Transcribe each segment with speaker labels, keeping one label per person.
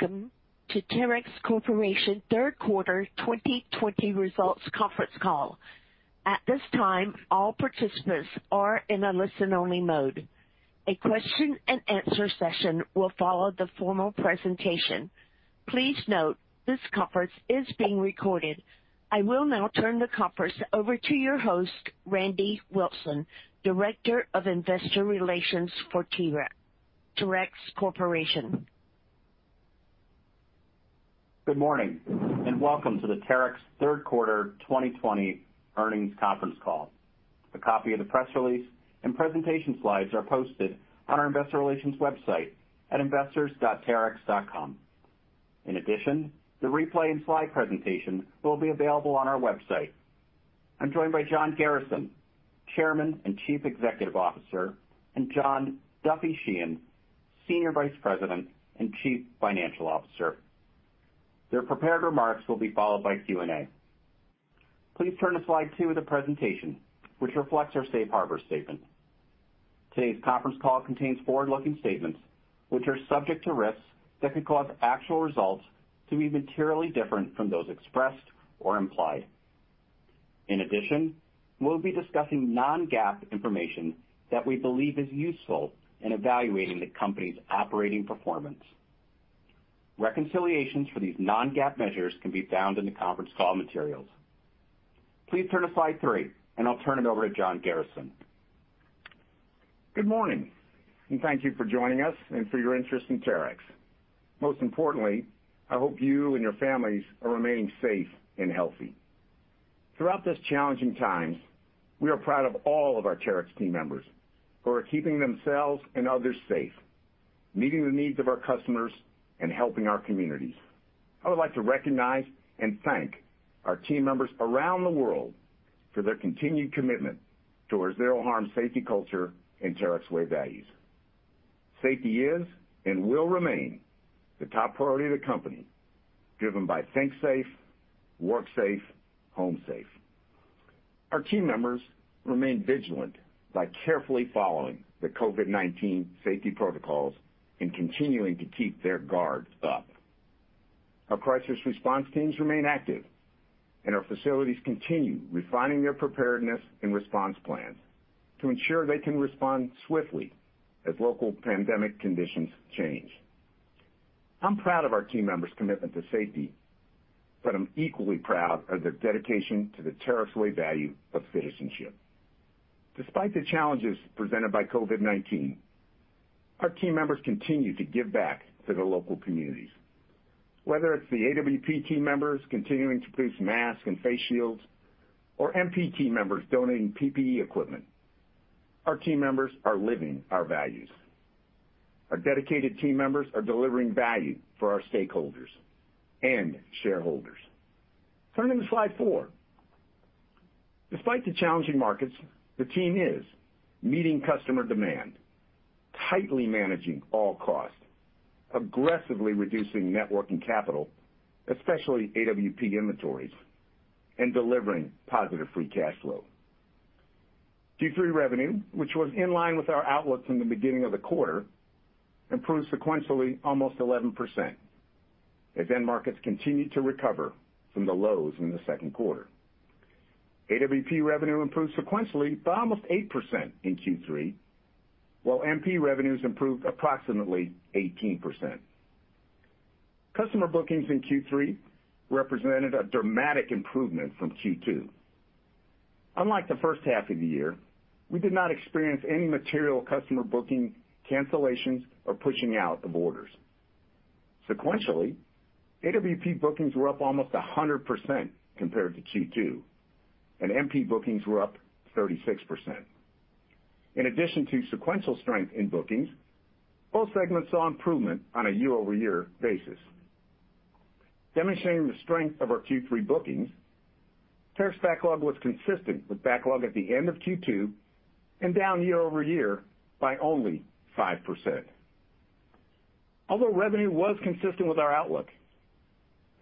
Speaker 1: Welcome to Terex Corporation Third Quarter 2020 results conference call. At this time, all participants are in a listen-only mode. A question and answer session will follow the formal presentation. Please note this conference is being recorded. I will now turn the conference over to your host, Randy Wilson, Director of Investor Relations for Terex Corporation.
Speaker 2: Good morning, welcome to the Terex third quarter 2020 earnings conference call. A copy of the press release and presentation slides are posted on our investor relations website at investors.terex.com. In addition, the replay and slide presentation will be available on our website. I'm joined by John Garrison, Chairman and Chief Executive Officer, and John Duffy Sheehan, Senior Vice President and Chief Financial Officer. Their prepared remarks will be followed by Q&A. Please turn to slide two of the presentation, which reflects our safe harbor statement. Today's conference call contains forward-looking statements, which are subject to risks that could cause actual results to be materially different from those expressed or implied. In addition, we'll be discussing non-GAAP information that we believe is useful in evaluating the company's operating performance. Reconciliations for these non-GAAP measures can be found in the conference call materials. Please turn to slide three. I'll turn it over to John Garrison.
Speaker 3: Good morning. Thank you for joining us and for your interest in Terex. Most importantly, I hope you and your families are remaining safe and healthy. Throughout this challenging time, we are proud of all of our Terex team members who are keeping themselves and others safe, meeting the needs of our customers, and helping our communities. I would like to recognize and thank our team members around the world for their continued commitment to our Zero Harm safety culture and Terex Way values. Safety is, and will remain, the top priority of the company, driven by Think Safe, Work Safe, Home Safe. Our team members remain vigilant by carefully following the COVID-19 safety protocols and continuing to keep their guard up. Our crisis response teams remain active, and our facilities continue refining their preparedness and response plans to ensure they can respond swiftly as local pandemic conditions change. I'm proud of our team members' commitment to safety, but I'm equally proud of their dedication to the Terex Way value of citizenship. Despite the challenges presented by COVID-19, our team members continue to give back to their local communities. Whether it's the AWP team members continuing to produce masks and face shields, or MP team members donating PPE equipment, our team members are living our values. Our dedicated team members are delivering value for our stakeholders and shareholders. Turning to slide four. Despite the challenging markets, the team is meeting customer demand, tightly managing all costs, aggressively reducing net working capital, especially AWP inventories, and delivering positive free cash flow. Q3 revenue, which was in line with our outlook from the beginning of the quarter, improved sequentially almost 11% as end markets continued to recover from the lows in the second quarter. AWP revenue improved sequentially by almost 8% in Q3, while MP revenues improved approximately 18%. Customer bookings in Q3 represented a dramatic improvement from Q2. Unlike the first half of the year, we did not experience any material customer booking cancellations or pushing out of orders. Sequentially, AWP bookings were up almost 100% compared to Q2, and MP bookings were up 36%. In addition to sequential strength in bookings, all segments saw improvement on a year-over-year basis. Demonstrating the strength of our Q3 bookings, Terex backlog was consistent with backlog at the end of Q2 and down year-over-year by only 5%. Although revenue was consistent with our outlook,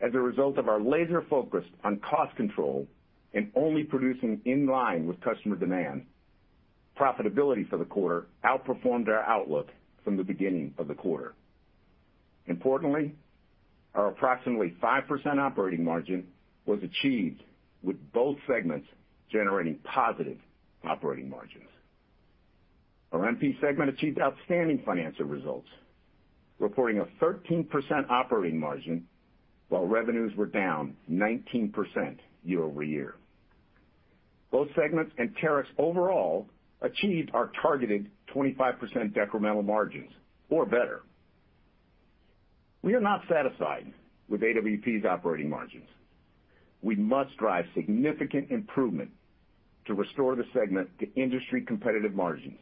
Speaker 3: as a result of our laser focus on cost control and only producing in line with customer demand, profitability for the quarter outperformed our outlook from the beginning of the quarter. Importantly, our approximately 5% operating margin was achieved with both segments generating positive operating margins. Our MP segment achieved outstanding financial results, reporting a 13% operating margin while revenues were down 19% year-over-year. Both segments in Terex overall achieved our targeted 25% decremental margins or better. We are not satisfied with AWP's operating margins. We must drive significant improvement to restore the segment to industry competitive margins,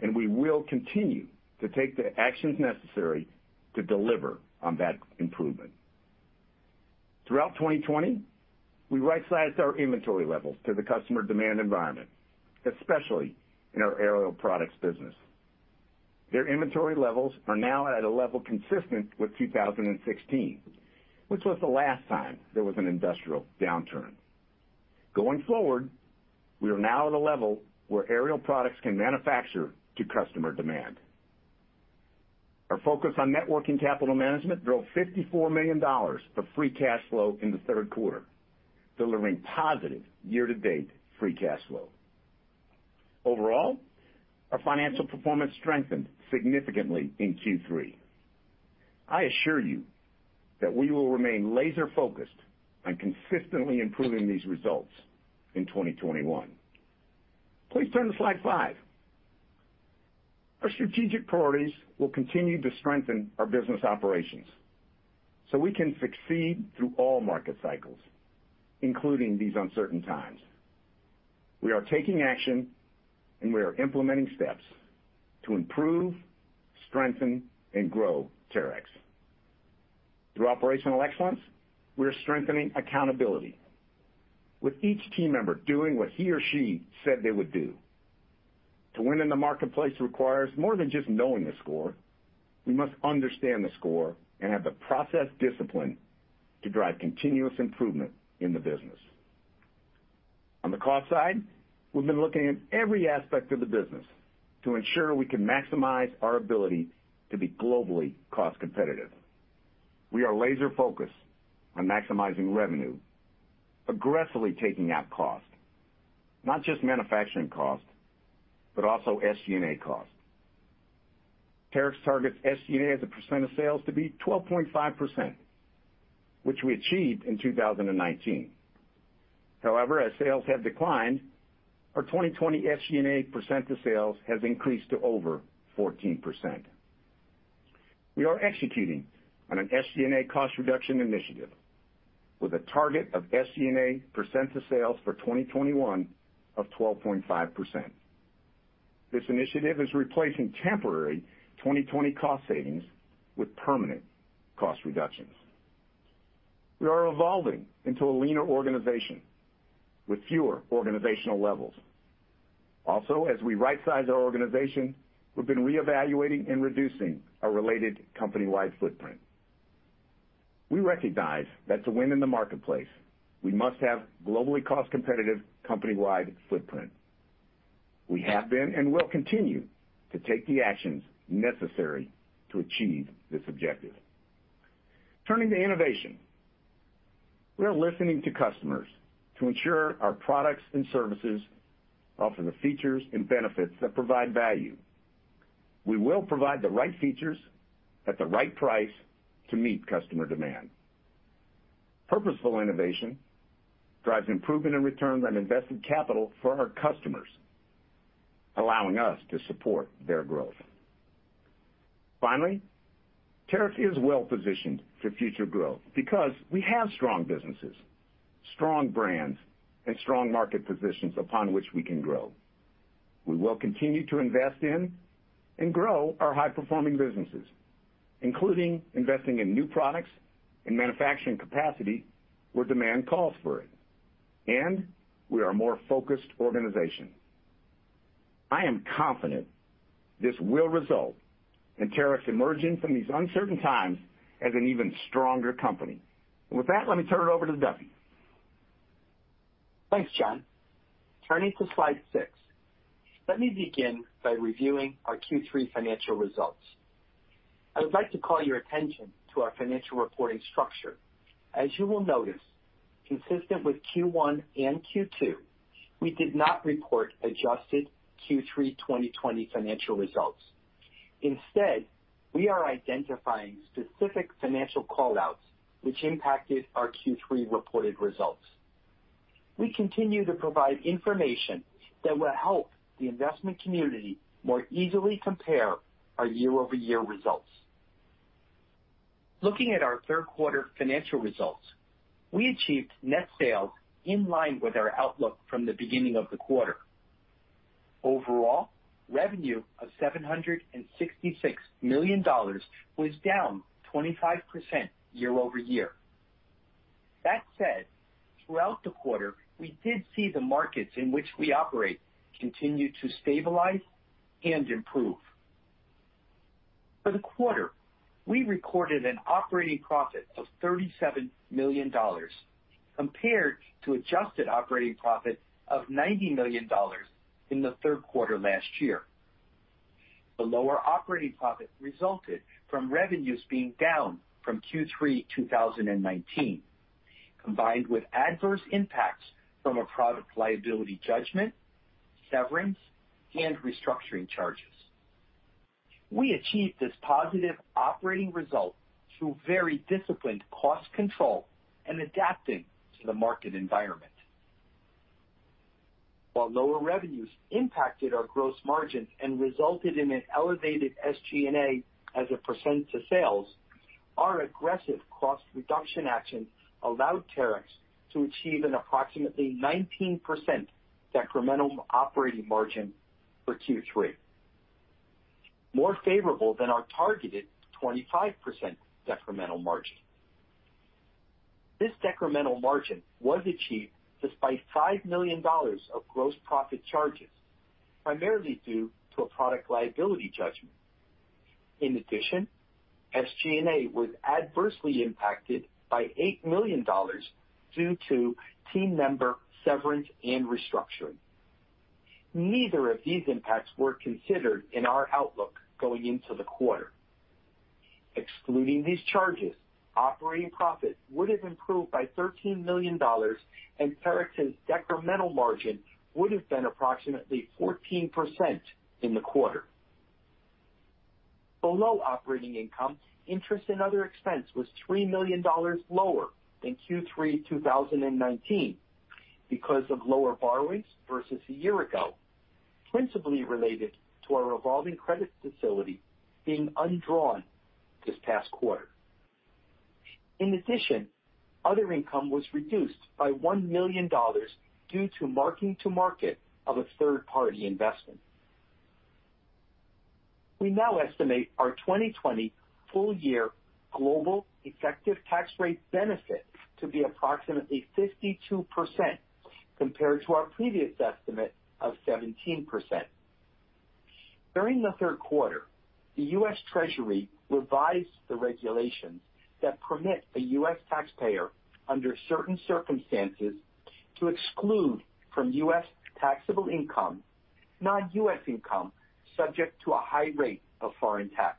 Speaker 3: and we will continue to take the actions necessary to deliver on that improvement. Throughout 2020, we right-sized our inventory levels to the customer demand environment, especially in our aerial products business. Their inventory levels are now at a level consistent with 2016, which was the last time there was an industrial downturn. Going forward, we are now at a level where aerial products can manufacture to customer demand. Our focus on net working capital management drove $54 million of free cash flow in the third quarter, delivering positive year-to-date free cash flow. Overall, our financial performance strengthened significantly in Q3. I assure you that we will remain laser-focused on consistently improving these results in 2021. Please turn to slide five. Our strategic priorities will continue to strengthen our business operations so we can succeed through all market cycles, including these uncertain times. We are taking action, and we are implementing steps to improve, strengthen, and grow Terex. Through operational excellence, we are strengthening accountability. With each team member doing what he or she said they would do. To win in the marketplace requires more than just knowing the score. We must understand the score and have the process discipline to drive continuous improvement in the business. On the cost side, we've been looking at every aspect of the business to ensure we can maximize our ability to be globally cost competitive. We are laser-focused on maximizing revenue, aggressively taking out cost, not just manufacturing cost, but also SG&A cost. Terex targets SG&A as a percent of sales to be 12.5%, which we achieved in 2019. As sales have declined, our 2020 SG&A percent of sales has increased to over 14%. We are executing on an SG&A cost reduction initiative with a target of SG&A percent of sales for 2021 of 12.5%. This initiative is replacing temporary 2020 cost savings with permanent cost reductions. We are evolving into a leaner organization with fewer organizational levels. As we right-size our organization, we've been reevaluating and reducing our related company-wide footprint. We recognize that to win in the marketplace, we must have globally cost-competitive company-wide footprint. We have been and will continue to take the actions necessary to achieve this objective. Turning to innovation. We are listening to customers to ensure our products and services offer the features and benefits that provide value. We will provide the right features at the right price to meet customer demand. Purposeful innovation drives improvement in returns on invested capital for our customers, allowing us to support their growth. Finally, Terex is well-positioned for future growth because we have strong businesses, strong brands, and strong market positions upon which we can grow. We will continue to invest in and grow our high-performing businesses, including investing in new products and manufacturing capacity where demand calls for it, and we are a more focused organization. I am confident this will result in Terex emerging from these uncertain times as an even stronger company. With that, let me turn it over to Duffy.
Speaker 4: Thanks, John. Turning to slide six. Let me begin by reviewing our Q3 financial results. I would like to call your attention to our financial reporting structure. As you will notice, consistent with Q1 and Q2, we did not report adjusted Q3 2020 financial results. Instead, we are identifying specific financial call-outs which impacted our Q3 reported results. We continue to provide information that will help the investment community more easily compare our year-over-year results. Looking at our third quarter financial results, we achieved net sales in line with our outlook from the beginning of the quarter. Overall, revenue of $766 million was down 25% year-over-year. That said, throughout the quarter, we did see the markets in which we operate continue to stabilize and improve. For the quarter, we recorded an operating profit of $37 million compared to adjusted operating profit of $90 million in the third quarter last year. The lower operating profit resulted from revenues being down from Q3 2019, combined with adverse impacts from a product liability judgment, severance, and restructuring charges. We achieved this positive operating result through very disciplined cost control and adapting to the market environment. While lower revenues impacted our gross margins and resulted in an elevated SG&A as a percent of sales, our aggressive cost reduction actions allowed Terex to achieve an approximately 19% decremental operating margin for Q3. More favorable than our targeted 25% decremental margin. This decremental margin was achieved despite $5 million of gross profit charges, primarily due to a product liability judgment. In addition, SG&A was adversely impacted by $8 million due to team member severance and restructuring. Neither of these impacts were considered in our outlook going into the quarter. Excluding these charges, operating profit would have improved by $13 million, and Terex's decremental margin would have been approximately 14% in the quarter. Below operating income, interest and other expense was $3 million lower than Q3 2019 because of lower borrowings versus a year ago, principally related to our revolving credit facility being undrawn this past quarter. In addition, other income was reduced by $1 million due to marking to market of a third-party investment. We now estimate our 2020 full year global effective tax rate benefit to be approximately 52%, compared to our previous estimate of 17%. During the third quarter, the U.S. Treasury revised the regulations that permit a U.S. taxpayer, under certain circumstances, to exclude from U.S. taxable income, non-U.S. income, subject to a high rate of foreign tax.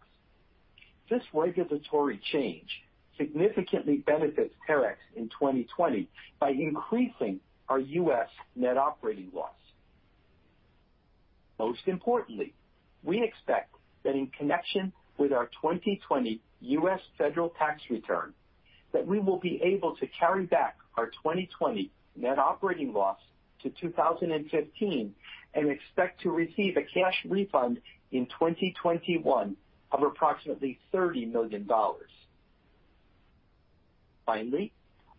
Speaker 4: This regulatory change significantly benefits Terex in 2020 by increasing our U.S. net operating loss. Most importantly, we expect that in connection with our 2020 U.S. federal tax return, that we will be able to carry back our 2020 net operating loss to 2015, and expect to receive a cash refund in 2021 of approximately $30 million. Finally,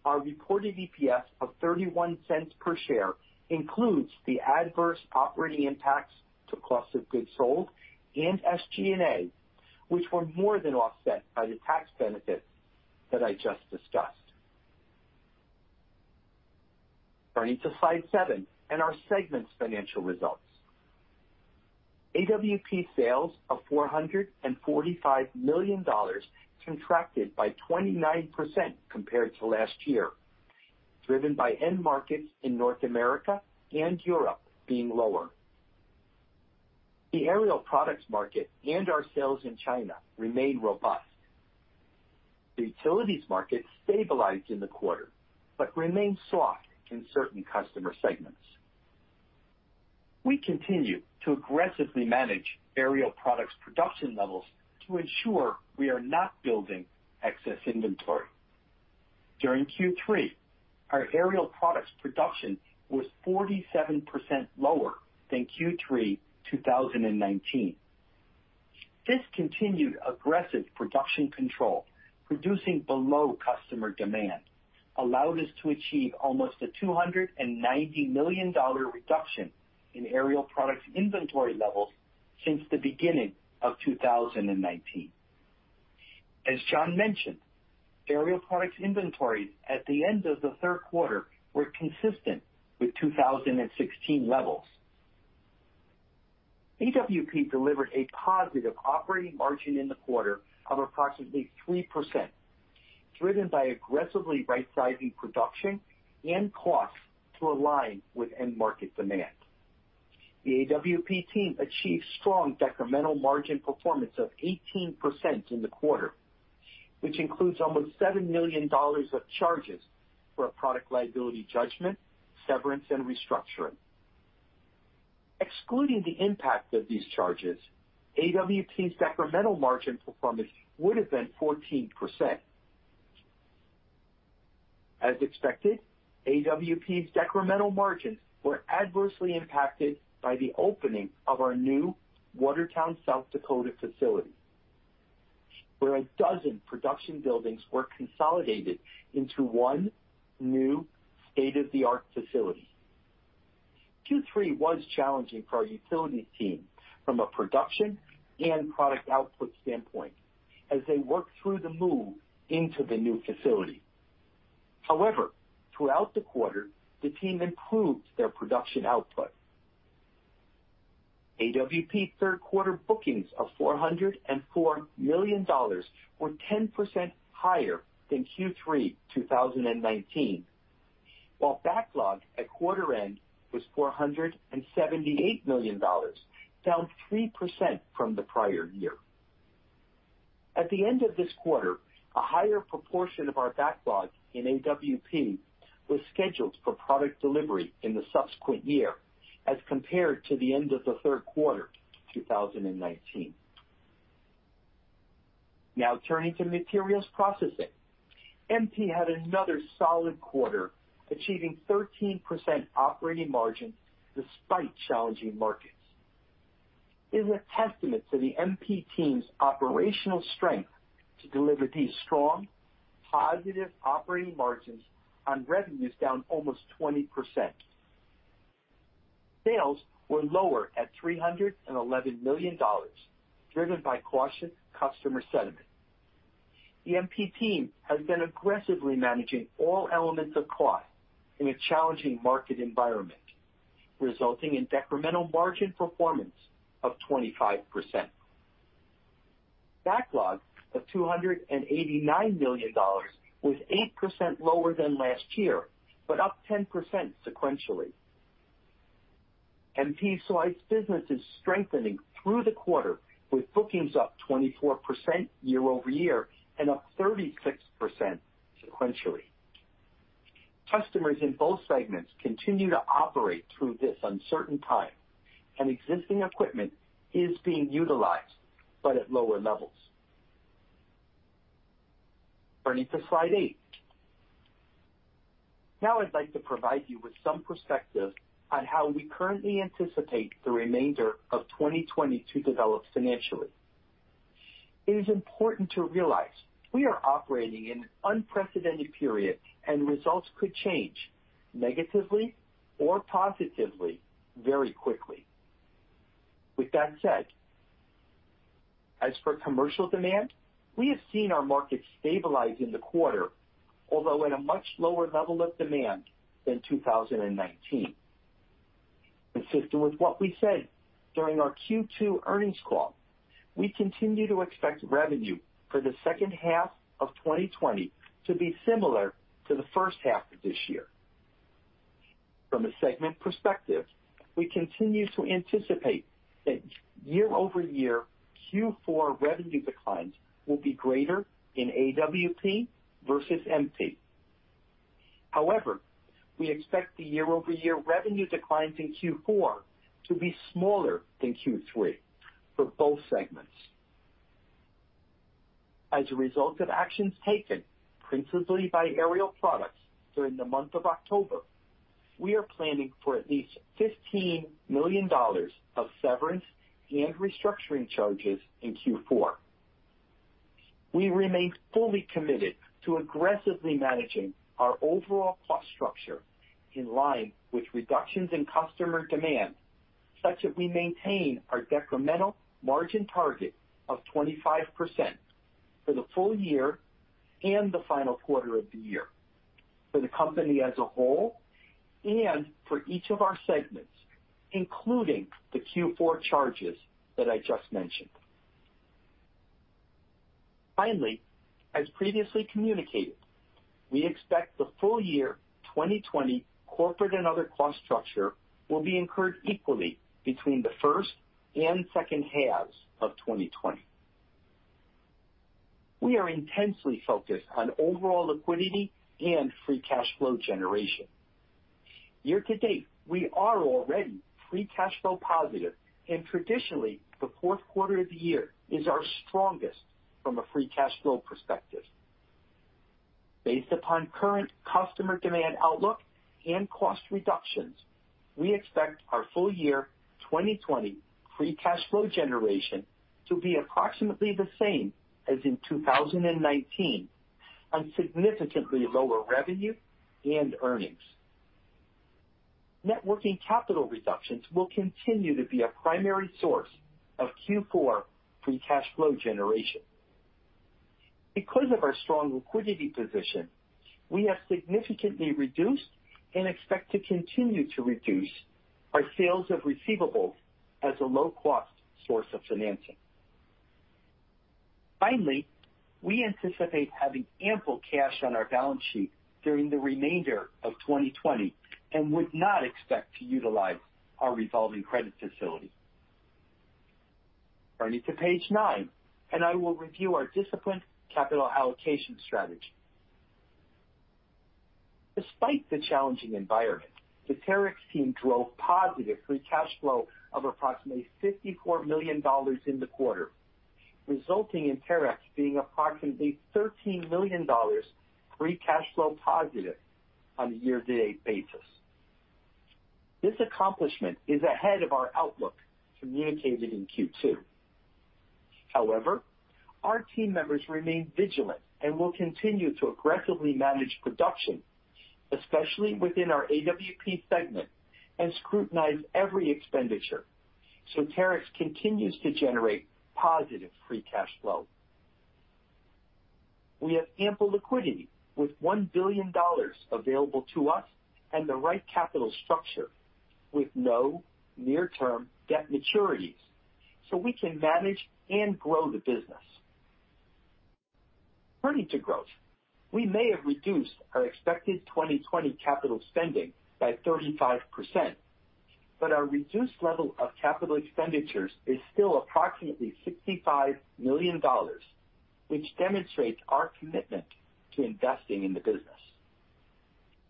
Speaker 4: our reported EPS of $0.31 per share includes the adverse operating impacts to cost of goods sold and SG&A, which were more than offset by the tax benefit that I just discussed. Turning to slide seven and our segment's financial results. AWP sales of $445 million contracted by 29% compared to last year, driven by end markets in North America and Europe being lower. The aerial products market and our sales in China remained robust. The utilities market stabilized in the quarter, but remained soft in certain customer segments. We continue to aggressively manage aerial products production levels to ensure we are not building excess inventory. During Q3, our aerial products production was 47% lower than Q3 2019. This continued aggressive production control, producing below customer demand, allowed us to achieve almost a $290 million reduction in aerial products inventory levels since the beginning of 2019. As John mentioned, aerial products inventory at the end of the third quarter were consistent with 2016 levels. AWP delivered a positive operating margin in the quarter of approximately 3%, driven by aggressively rightsizing production and costs to align with end market demand. The AWP team achieved strong decremental margin performance of 18% in the quarter, which includes almost $7 million of charges for a product liability judgment, severance, and restructuring. Excluding the impact of these charges, AWP's decremental margin performance would have been 14%. As expected, AWP's decremental margins were adversely impacted by the opening of our new Watertown, South Dakota facility, where 12 production buildings were consolidated into one new state-of-the-art facility. Q3 was challenging for our utilities team from a production and product output standpoint as they worked through the move into the new facility. However, throughout the quarter, the team improved their production output. AWP third quarter bookings of $404 million were 10% higher than Q3 2019. While backlog at quarter end was $478 million, down 3% from the prior year. At the end of this quarter, a higher proportion of our backlog in AWP was scheduled for product delivery in the subsequent year as compared to the end of the third quarter 2019. Now turning to Materials Processing. MP had another solid quarter, achieving 13% operating margin despite challenging markets. It is a testament to the MP team's operational strength to deliver these strong, positive operating margins on revenues down almost 20%. Sales were lower at $311 million, driven by cautious customer sentiment. The MP team has been aggressively managing all elements of cost in a challenging market environment, resulting in decremental margin performance of 25%. Backlog of $289 million was 8% lower than last year, but up 10% sequentially. MP saw its business is strengthening through the quarter, with bookings up 24% year-over-year and up 36% sequentially. Customers in both segments continue to operate through this uncertain time, and existing equipment is being utilized, but at lower levels. Turning to slide eight. I'd like to provide you with some perspective on how we currently anticipate the remainder of 2020 to develop financially. It is important to realize we are operating in an unprecedented period, and results could change negatively or positively very quickly. With that said, as for commercial demand, we have seen our market stabilize in the quarter, although at a much lower level of demand than 2019. Consistent with what we said during our Q2 earnings call, we continue to expect revenue for the second half of 2020 to be similar to the first half of this year. From a segment perspective, we continue to anticipate that year-over-year Q4 revenue declines will be greater in AWP versus MP. However, we expect the year-over-year revenue declines in Q4 to be smaller than Q3 for both segments. As a result of actions taken principally by aerial products during the month of October, we are planning for at least $15 million of severance and restructuring charges in Q4. We remain fully committed to aggressively managing our overall cost structure in line with reductions in customer demand, such that we maintain our decremental margin target of 25% for the full year and the final quarter of the year for the company as a whole and for each of our segments, including the Q4 charges that I just mentioned. Finally, as previously communicated, we expect the full year 2020 corporate and other cost structure will be incurred equally between the first and second halves of 2020. We are intensely focused on overall liquidity and free cash flow generation. Year-to-date, we are already free cash flow positive, and traditionally, the fourth quarter of the year is our strongest from a free cash flow perspective. Based upon current customer demand outlook and cost reductions, we expect our full year 2020 free cash flow generation to be approximately the same as in 2019, on significantly lower revenue and earnings. Net working capital reductions will continue to be a primary source of Q4 free cash flow generation. Because of our strong liquidity position, we have significantly reduced and expect to continue to reduce our sales of receivables as a low-cost source of financing. Finally, we anticipate having ample cash on our balance sheet during the remainder of 2020 and would not expect to utilize our revolving credit facility. Turning to page nine, I will review our disciplined capital allocation strategy. Despite the challenging environment, the Terex team drove positive free cash flow of approximately $54 million in the quarter, resulting in Terex being approximately $13 million free cash flow positive on a year-to-date basis. This accomplishment is ahead of our outlook communicated in Q2. Our team members remain vigilant and will continue to aggressively manage production, especially within our AWP segment, and scrutinize every expenditure so Terex continues to generate positive free cash flow. We have ample liquidity with $1 billion available to us and the right capital structure with no near-term debt maturities, so we can manage and grow the business. Turning to growth. We may have reduced our expected 2020 capital spending by 35%. Our reduced level of capital expenditures is still approximately $65 million, which demonstrates our commitment to investing in the business.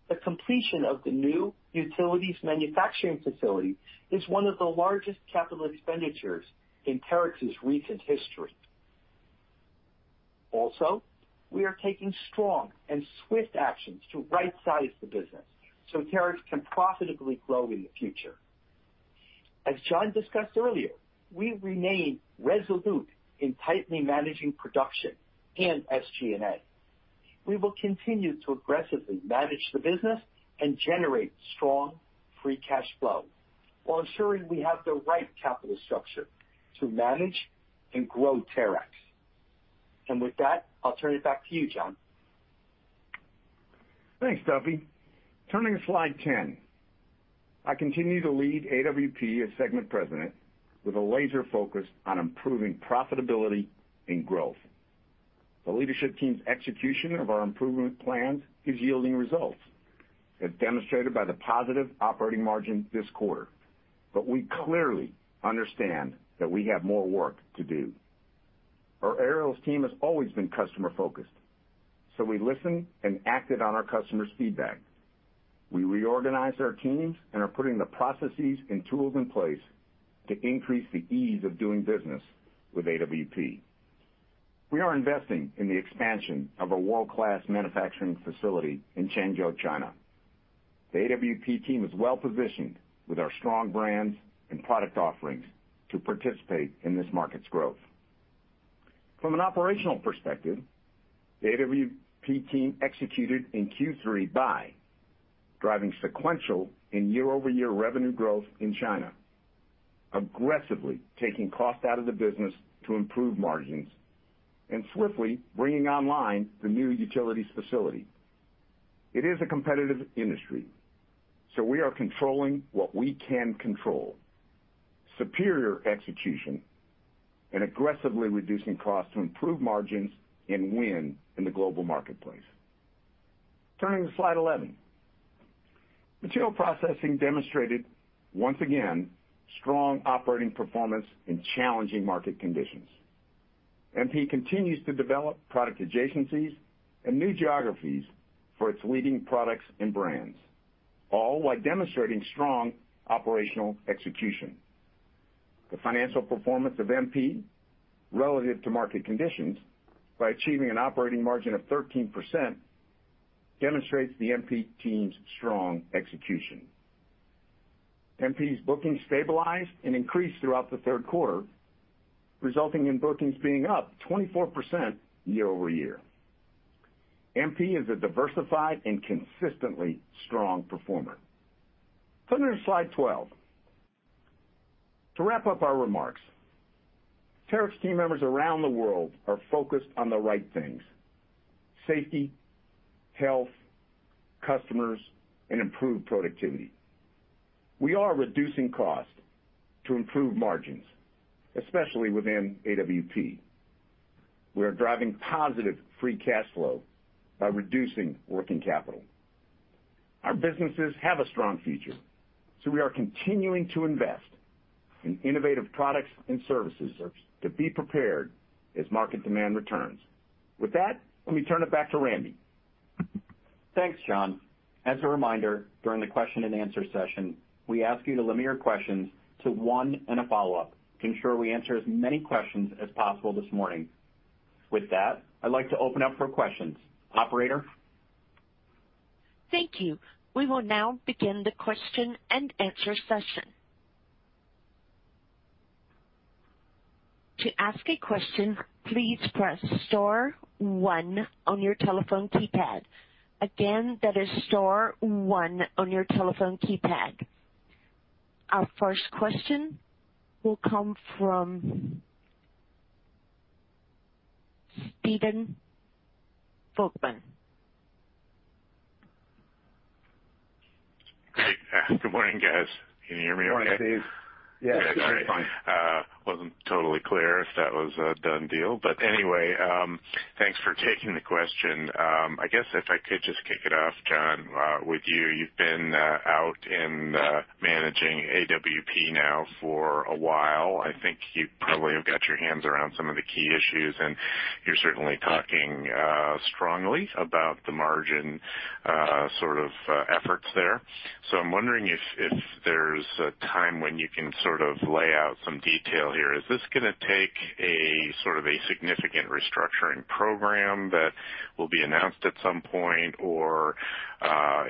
Speaker 4: The completion of the new Utilities manufacturing facility is one of the largest capital expenditures in Terex's recent history. We are taking strong and swift actions to rightsize the business so Terex can profitably grow in the future. As John discussed earlier, we remain resolute in tightly managing production and SG&A. We will continue to aggressively manage the business and generate strong free cash flow, while ensuring we have the right capital structure to manage and grow Terex. With that, I'll turn it back to you, John.
Speaker 3: Thanks, Duffy. Turning to slide 10. I continue to lead AWP as segment president with a laser focus on improving profitability and growth. The leadership team's execution of our improvement plans is yielding results, as demonstrated by the positive operating margin this quarter. We clearly understand that we have more work to do. Our aerials team has always been customer-focused, so we listened and acted on our customers' feedback. We reorganized our teams and are putting the processes and tools in place to increase the ease of doing business with AWP. We are investing in the expansion of a world-class manufacturing facility in Changzhou, China. The AWP team is well-positioned with our strong brands and product offerings to participate in this market's growth. From an operational perspective, the AWP team executed in Q3 by driving sequential and year-over-year revenue growth in China, aggressively taking cost out of the business to improve margins, and swiftly bringing online the new Utilities facility. It is a competitive industry, we are controlling what we can control, superior execution, and aggressively reducing costs to improve margins and win in the global marketplace. Turning to slide 11. Materials Processing demonstrated, once again, strong operating performance in challenging market conditions. MP continues to develop product adjacencies and new geographies for its leading products and brands, all while demonstrating strong operational execution. The financial performance of MP relative to market conditions by achieving an operating margin of 13% demonstrates the MP team's strong execution. MP's bookings stabilized and increased throughout the third quarter, resulting in bookings being up 24% year-over-year. MP is a diversified and consistently strong performer. Turning to slide 12. To wrap up our remarks, Terex team members around the world are focused on the right things, safety, health, customers, and improved productivity. We are reducing cost to improve margins, especially within AWP. We are driving positive free cash flow by reducing working capital. Our businesses have a strong future, so we are continuing to invest in innovative products and services to be prepared as market demand returns. With that, let me turn it back to Randy.
Speaker 2: Thanks, John. As a reminder, during the question and answer session, we ask you to limit your questions to one and a follow-up to ensure we answer as many questions as possible this morning. With that, I'd like to open up for questions. Operator?
Speaker 1: Thank you. We will now begin the question and answer session. To ask a question, please press star one on your telephone keypad. Again, that is star one on your telephone keypad. Our first question will come from Stephen Volkmann.
Speaker 5: Great. Good morning, guys. Can you hear me okay?
Speaker 3: Good morning, Steve.
Speaker 4: Yes.
Speaker 3: Yeah, sorry.
Speaker 5: Wasn't totally clear if that was a done deal. Anyway, thanks for taking the question. I guess if I could just kick it off, John, with you. You've been out and managing AWP now for a while. I think you probably have got your hands around some of the key issues, and you're certainly talking strongly about the margin sort of efforts there. I'm wondering if there's a time when you can sort of lay out some detail here. Is this gonna take a significant restructuring program that will be announced at some point, or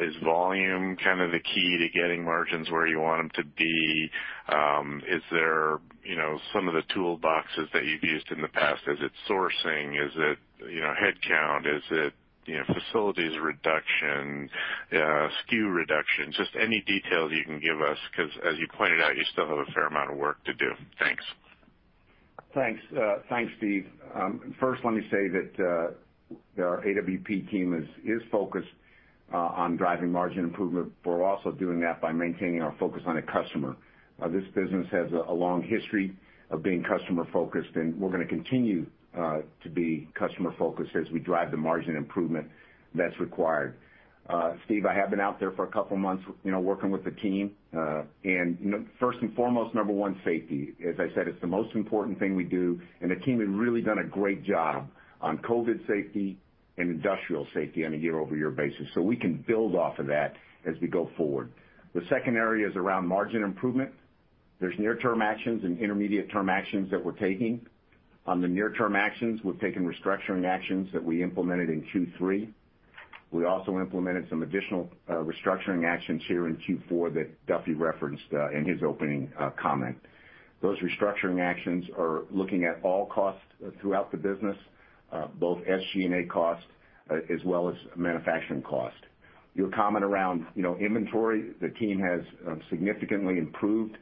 Speaker 5: is volume kind of the key to getting margins where you want them to be? Is there some of the toolboxes that you've used in the past, is it sourcing? Is it headcount? Is it facilities reduction, SKU reduction? Just any details you can give us, because as you pointed out, you still have a fair amount of work to do. Thanks.
Speaker 3: Thanks. Thanks, Steve. First let me say that our AWP team is focused on driving margin improvement, but we're also doing that by maintaining our focus on the customer. This business has a long history of being customer-focused. We're gonna continue to be customer-focused as we drive the margin improvement that's required. Steve, I have been out there for a couple of months working with the team. First and foremost, number one, safety. As I said, it's the most important thing we do, and the team has really done a great job on COVID-19 safety and industrial safety on a year-over-year basis. We can build off of that as we go forward. The second area is around margin improvement. There's near-term actions and intermediate-term actions that we're taking. On the near-term actions, we've taken restructuring actions that we implemented in Q3. We also implemented some additional restructuring actions here in Q4 that Duffy referenced in his opening comment. Those restructuring actions are looking at all costs throughout the business, both SG&A costs as well as manufacturing costs. Your comment around inventory, the team has significantly improved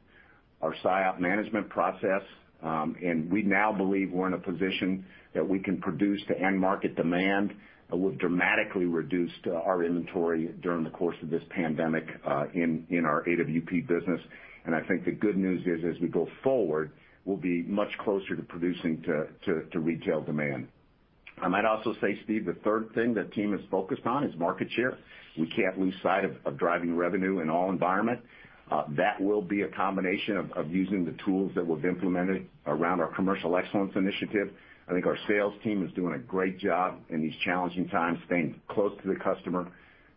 Speaker 3: our SIOP management process, and we now believe we're in a position that we can produce to end market demand. We've dramatically reduced our inventory during the course of this pandemic in our AWP business. I think the good news is, as we go forward, we'll be much closer to producing to retail demand. I might also say, Steve, the third thing the team is focused on is market share. We can't lose sight of driving revenue in all environment. That will be a combination of using the tools that we've implemented around our commercial excellence initiative. I think our sales team is doing a great job in these challenging times, staying close to the customer,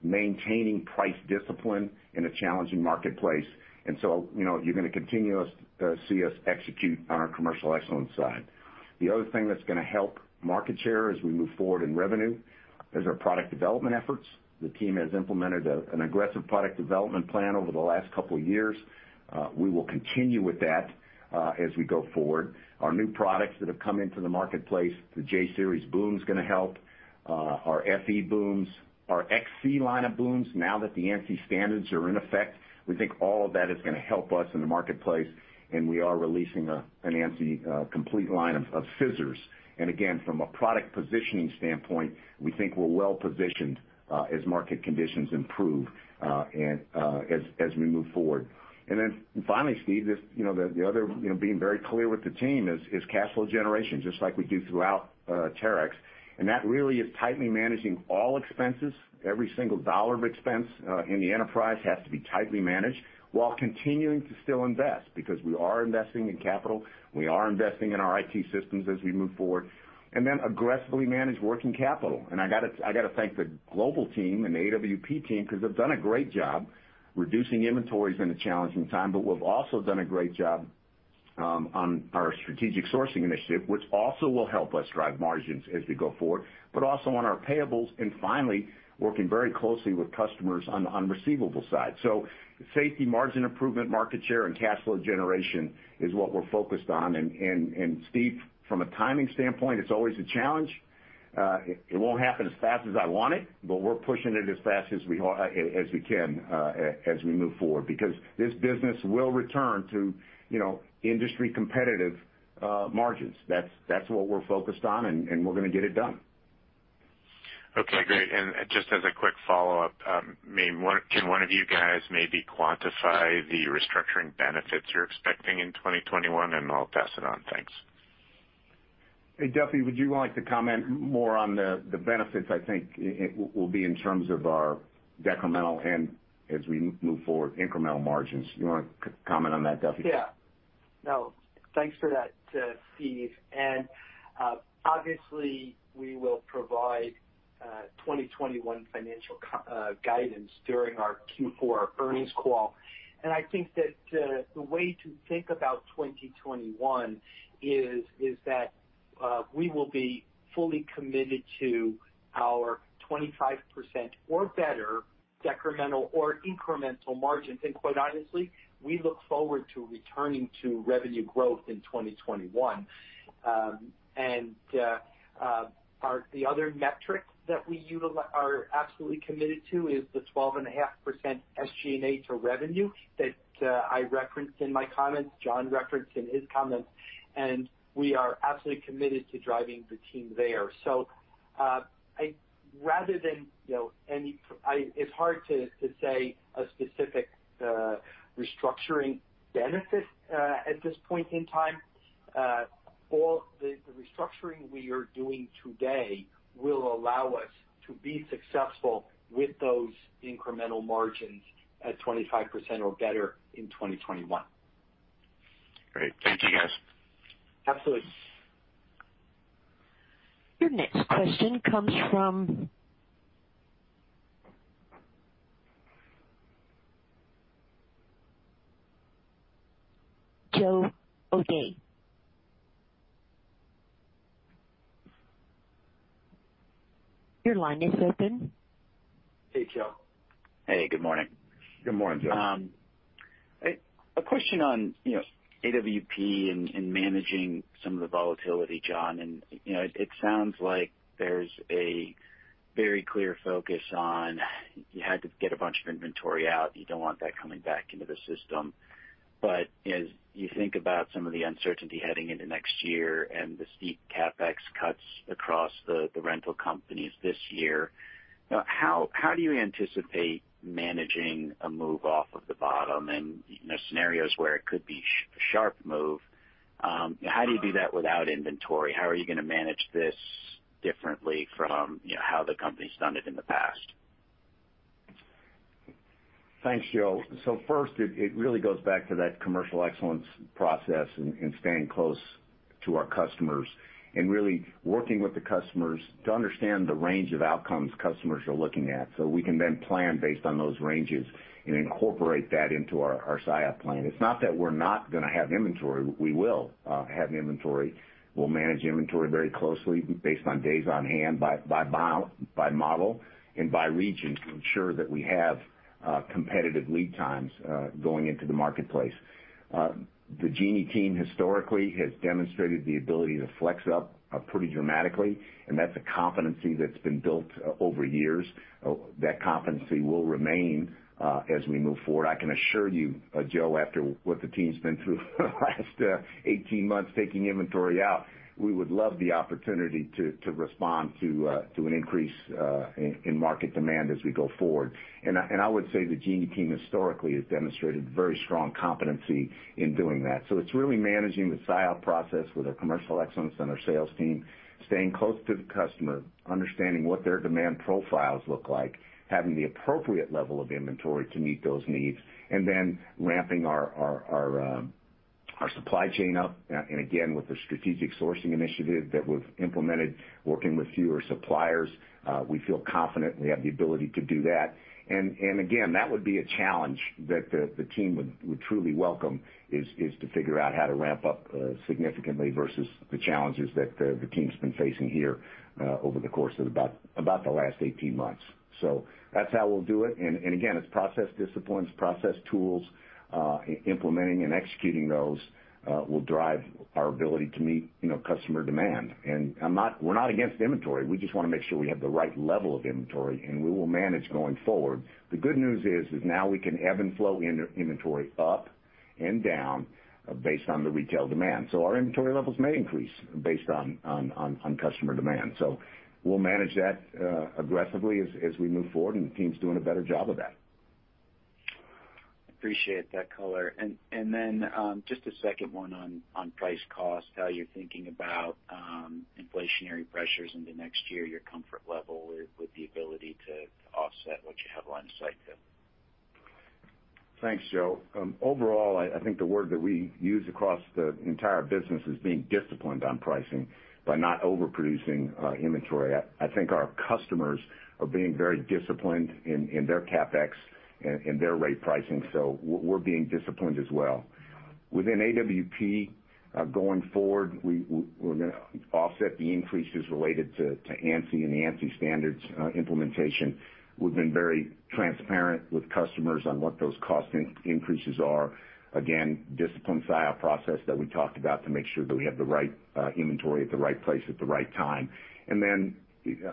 Speaker 3: maintaining price discipline in a challenging marketplace. You're going to continue to see us execute on our commercial excellence side. The other thing that's going to help market share as we move forward in revenue is our product development efforts. The team has implemented an aggressive product development plan over the last couple of years. We will continue with that as we go forward. Our new products that have come into the marketplace, the J-Series boom is going to help, our FE booms, our XC line of booms now that the ANSI standards are in effect. We think all of that is going to help us in the marketplace. We are releasing an ANSI complete line of scissors. Again, from a product positioning standpoint, we think we're well-positioned as market conditions improve and as we move forward. Finally, Steve, being very clear with the team is capital generation, just like we do throughout Terex. That really is tightly managing all expenses. Every single dollar of expense in the enterprise has to be tightly managed while continuing to still invest, because we are investing in capital, we are investing in our IT systems as we move forward, and then aggressively manage working capital. I got to thank the global team and the AWP team because they've done a great job reducing inventories in a challenging time, but we've also done a great job on our strategic sourcing initiative, which also will help us drive margins as we go forward, but also on our payables, and finally, working very closely with customers on the receivable side. Safety, margin improvement, market share, and cash flow generation is what we're focused on. Steve, from a timing standpoint, it's always a challenge. It won't happen as fast as I want it, but we're pushing it as fast as we can as we move forward, because this business will return to industry competitive margins. That's what we're focused on, and we're going to get it done.
Speaker 5: Okay, great. Just as a quick follow-up, can one of you guys maybe quantify the restructuring benefits you're expecting in 2021? I'll pass it on. Thanks.
Speaker 3: Hey, Duffy, would you like to comment more on the benefits I think it will be in terms of our decremental and as we move forward, incremental margins? You want to comment on that, Duffy?
Speaker 4: Thanks for that, Steve. Obviously, we will provide 2021 financial guidance during our Q4 earnings call. I think that the way to think about 2021 is that we will be fully committed to our 25% or better decremental or incremental margins. Quite honestly, we look forward to returning to revenue growth in 2021. The other metric that we are absolutely committed to is the 12.5% SG&A to revenue that I referenced in my comments, John referenced in his comments. We are absolutely committed to driving the team there. It's hard to say a specific restructuring benefit at this point in time. All the restructuring we are doing today will allow us to be successful with those incremental margins at 25% or better in 2021.
Speaker 5: Great. Thank you, guys.
Speaker 4: Absolutely.
Speaker 1: Your next question comes from Joe O'Dea. Your line is open.
Speaker 3: Hey, Joe.
Speaker 6: Hey, good morning.
Speaker 3: Good morning, Joe.
Speaker 6: A question on AWP and managing some of the volatility, John. It sounds like there's a very clear focus on you had to get a bunch of inventory out. You don't want that coming back into the system. As you think about some of the uncertainty heading into next year and the steep CapEx cuts across the rental companies this year, how do you anticipate managing a move off of the bottom and scenarios where it could be a sharp move? How do you do that without inventory? How are you going to manage this differently from how the company's done it in the past?
Speaker 3: Thanks, Joe. First, it really goes back to that commercial excellence process and staying close to our customers, and really working with the customers to understand the range of outcomes customers are looking at, so we can then plan based on those ranges and incorporate that into our SIOP plan. It's not that we're not going to have inventory. We will have inventory. We'll manage inventory very closely based on days on hand, by model, and by region to ensure that we have competitive lead times going into the marketplace. The Genie team historically has demonstrated the ability to flex up pretty dramatically, and that's a competency that's been built over years. That competency will remain as we move forward. I can assure you, Joe, after what the team's been through the last 18 months, taking inventory out, we would love the opportunity to respond to an increase in market demand as we go forward. I would say the Genie team historically has demonstrated very strong competency in doing that. It's really managing the SIOP process with our commercial excellence and our sales team, staying close to the customer, understanding what their demand profiles look like, having the appropriate level of inventory to meet those needs, and then ramping our supply chain up. Again, with the strategic sourcing initiative that was implemented, working with fewer suppliers, we feel confident we have the ability to do that. Again, that would be a challenge that the team would truly welcome, is to figure out how to ramp up significantly versus the challenges that the team's been facing here over the course of about the last 18 months. That's how we'll do it. Again, it's process disciplines, process tools. Implementing and executing those will drive our ability to meet customer demand. We're not against inventory. We just want to make sure we have the right level of inventory, and we will manage going forward. The good news is now we can ebb and flow inventory up and down based on the retail demand. Our inventory levels may increase based on customer demand. We'll manage that aggressively as we move forward, and the team's doing a better job of that.
Speaker 6: Appreciate that color. Just a second one on price cost, how you're thinking about inflationary pressures in the next year, your comfort level with the ability to offset what you have on site?
Speaker 3: Thanks, Joe. Overall, I think the word that we use across the entire business is being disciplined on pricing by not overproducing inventory. I think our customers are being very disciplined in their CapEx and their rate pricing, so we're being disciplined as well. Within AWP, going forward, we're going to offset the increases related to ANSI and the ANSI standards implementation. We've been very transparent with customers on what those cost increases are. Disciplined SIOP process that we talked about to make sure that we have the right inventory at the right place at the right time.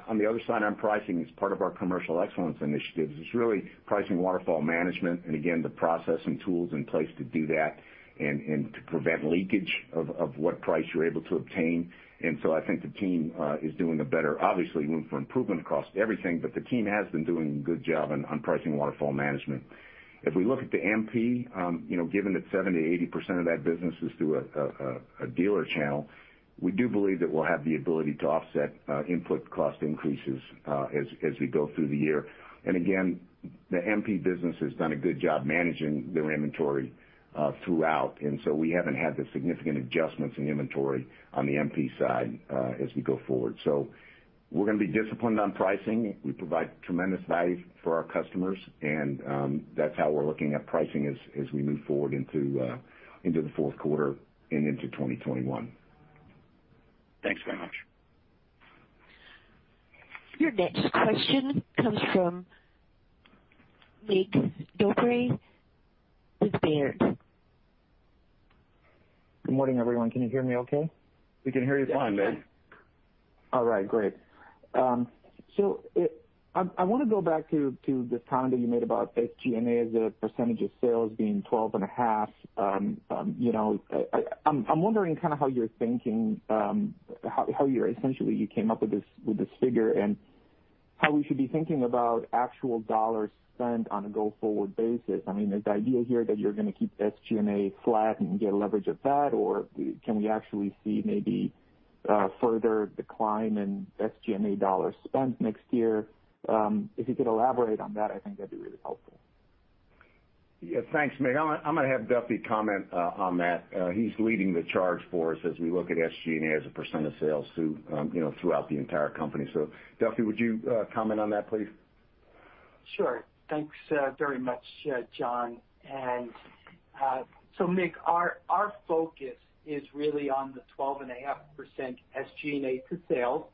Speaker 3: On the other side, on pricing, as part of our commercial excellence initiatives, is really pricing waterfall management, and again, the process and tools in place to do that and to prevent leakage of what price you're able to obtain. I think the team is doing obviously, room for improvement across everything, but the team has been doing a good job on pricing waterfall management. If we look at the MP, given that 70%-80% of that business is through a dealer channel, we do believe that we'll have the ability to offset input cost increases as we go through the year. The MP business has done a good job managing their inventory throughout, and so we haven't had the significant adjustments in inventory on the MP side as we go forward. We're going to be disciplined on pricing. We provide tremendous value for our customers, and that's how we're looking at pricing as we move forward into the fourth quarter and into 2021.
Speaker 6: Thanks very much.
Speaker 1: Your next question comes from Mig Dobre with Baird.
Speaker 7: Good morning, everyone. Can you hear me okay?
Speaker 3: We can hear you fine, Mig.
Speaker 7: All right, great. I want to go back to the comment you made about SG&A as a percentage of sales being 12.5%. I'm wondering kind of how you're thinking, how essentially you came up with this figure and how we should be thinking about actual dollars spent on a go-forward basis. Is the idea here that you're going to keep SG&A flat and get leverage of that? Or can we actually see maybe a further decline in SG&A dollars spent next year? If you could elaborate on that, I think that'd be really helpful.
Speaker 3: Yeah. Thanks, Mig. I'm going to have Duffy comment on that. He's leading the charge for us as we look at SG&A as a percent of sales throughout the entire company. Duffy, would you comment on that, please?
Speaker 4: Sure. Thanks very much, John. Mig, our focus is really on the 12.5% SG&A to sales.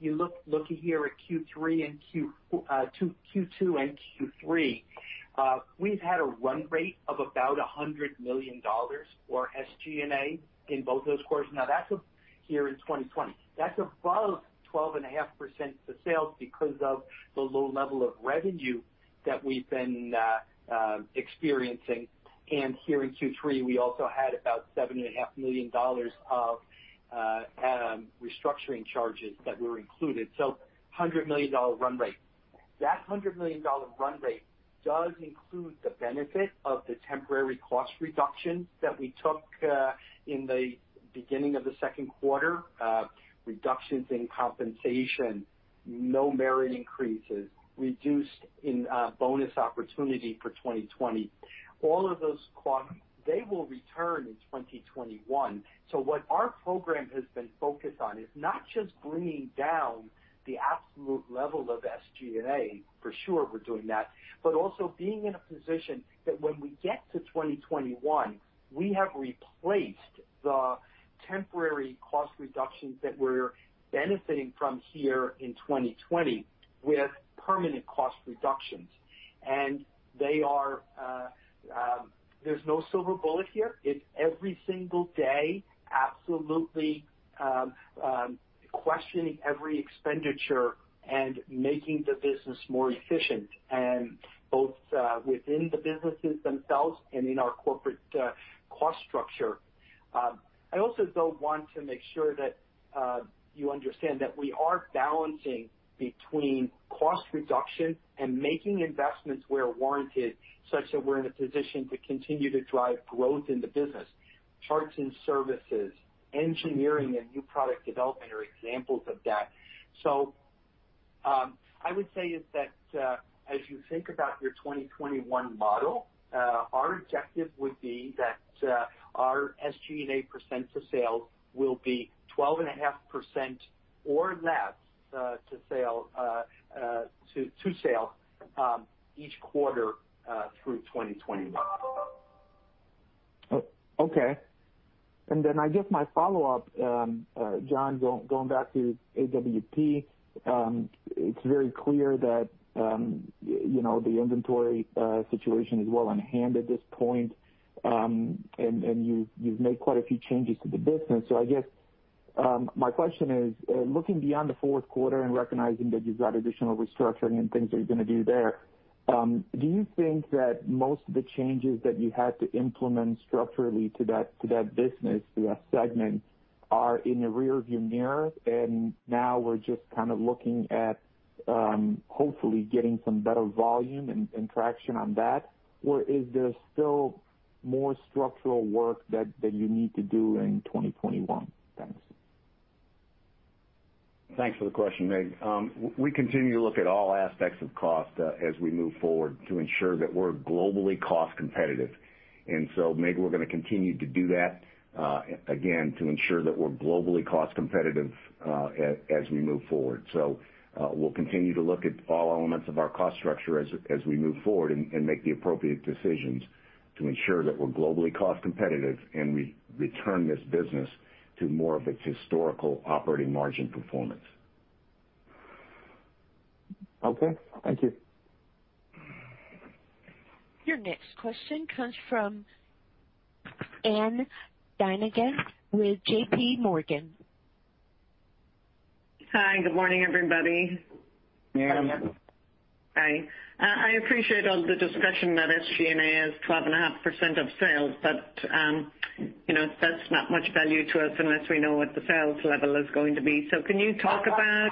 Speaker 4: You look here at Q2 and Q3. We've had a run rate of about $100 million for SG&A in both those quarters. That's here in 2020. That's above 12.5% to sales because of the low level of revenue that we've been experiencing. Here in Q3, we also had about $7.5 million of restructuring charges that were included. $100 million run rate. That $100 million run rate does include the benefit of the temporary cost reductions that we took in the beginning of the second quarter. Reductions in compensation, no merit increases, reduced in bonus opportunity for 2020. All of those, they will return in 2021. What our program has been focused on is not just bringing down the absolute level of SG&A, for sure we're doing that, but also being in a position that when we get to 2021, we have replaced the temporary cost reductions that we're benefiting from here in 2020 with permanent cost reductions. There's no silver bullet here. It's every single day, absolutely questioning every expenditure and making the business more efficient, both within the businesses themselves and in our corporate cost structure. I also, though, want to make sure that you understand that we are balancing between cost reduction and making investments where warranted, such that we're in a position to continue to drive growth in the business. Parts and services, engineering, and new product development are examples of that. I would say is that, as you think about your 2021 model, our objective would be that our SG&A percent of sales will be 12.5% or less to sale each quarter, through 2021.
Speaker 7: I guess my follow-up, John, going back to AWP. It's very clear that the inventory situation is well in hand at this point. You've made quite a few changes to the business. I guess my question is, looking beyond the fourth quarter and recognizing that you've got additional restructuring and things that you're going to do there, do you think that most of the changes that you had to implement structurally to that business, to that segment, are in the rear-view mirror and now we're just kind of looking at hopefully getting some better volume and traction on that? Is there still more structural work that you need to do in 2021? Thanks.
Speaker 3: Thanks for the question, Mig. We continue to look at all aspects of cost as we move forward to ensure that we're globally cost competitive. Mig, we're going to continue to do that, again, to ensure that we're globally cost competitive as we move forward. We'll continue to look at all elements of our cost structure as we move forward and make the appropriate decisions to ensure that we're globally cost competitive and we return this business to more of its historical operating margin performance.
Speaker 7: Okay. Thank you.
Speaker 1: Your next question comes from Ann Duignan with JPMorgan.
Speaker 8: Hi, good morning, everybody.
Speaker 3: Morning.
Speaker 8: Hi. I appreciate all the discussion that SG&A is 12.5% of sales, but that's not much value to us unless we know what the sales level is going to be. Can you talk about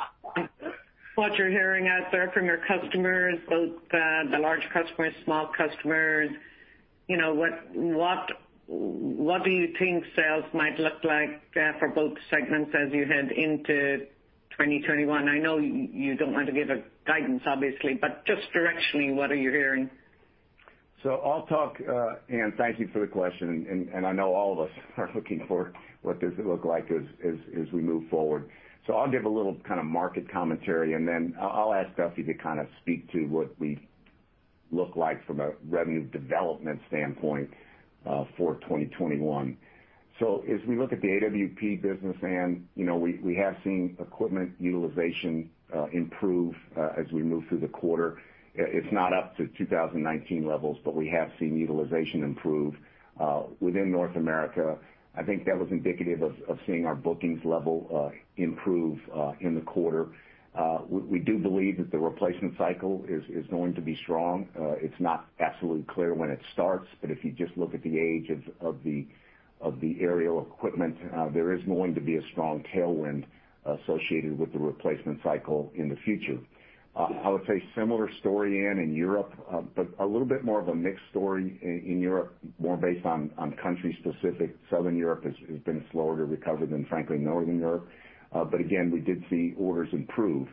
Speaker 8: what you're hearing out there from your customers, both the large customers, small customers? What do you think sales might look like for both segments as you head into 2021? I know you don't want to give a guidance, obviously, but just directionally, what are you hearing?
Speaker 3: I'll talk, Ann, thank you for the question, and I know all of us are looking for what does it look like as we move forward. I'll give a little kind of market commentary, and then I'll ask Duffy to kind of speak to what we look like from a revenue development standpoint for 2021. As we look at the AWP business, Ann, we have seen equipment utilization improve as we move through the quarter. It's not up to 2019 levels, but we have seen utilization improve within North America. I think that was indicative of seeing our bookings level improve in the quarter. We do believe that the replacement cycle is going to be strong. It's not absolutely clear when it starts, but if you just look at the age of the aerial equipment, there is going to be a strong tailwind associated with the replacement cycle in the future. I would say similar story, Ann, in Europe, a little bit more of a mixed story in Europe, more based on country specific. Southern Europe has been slower to recover than frankly, Northern Europe. Again, we did see orders improve.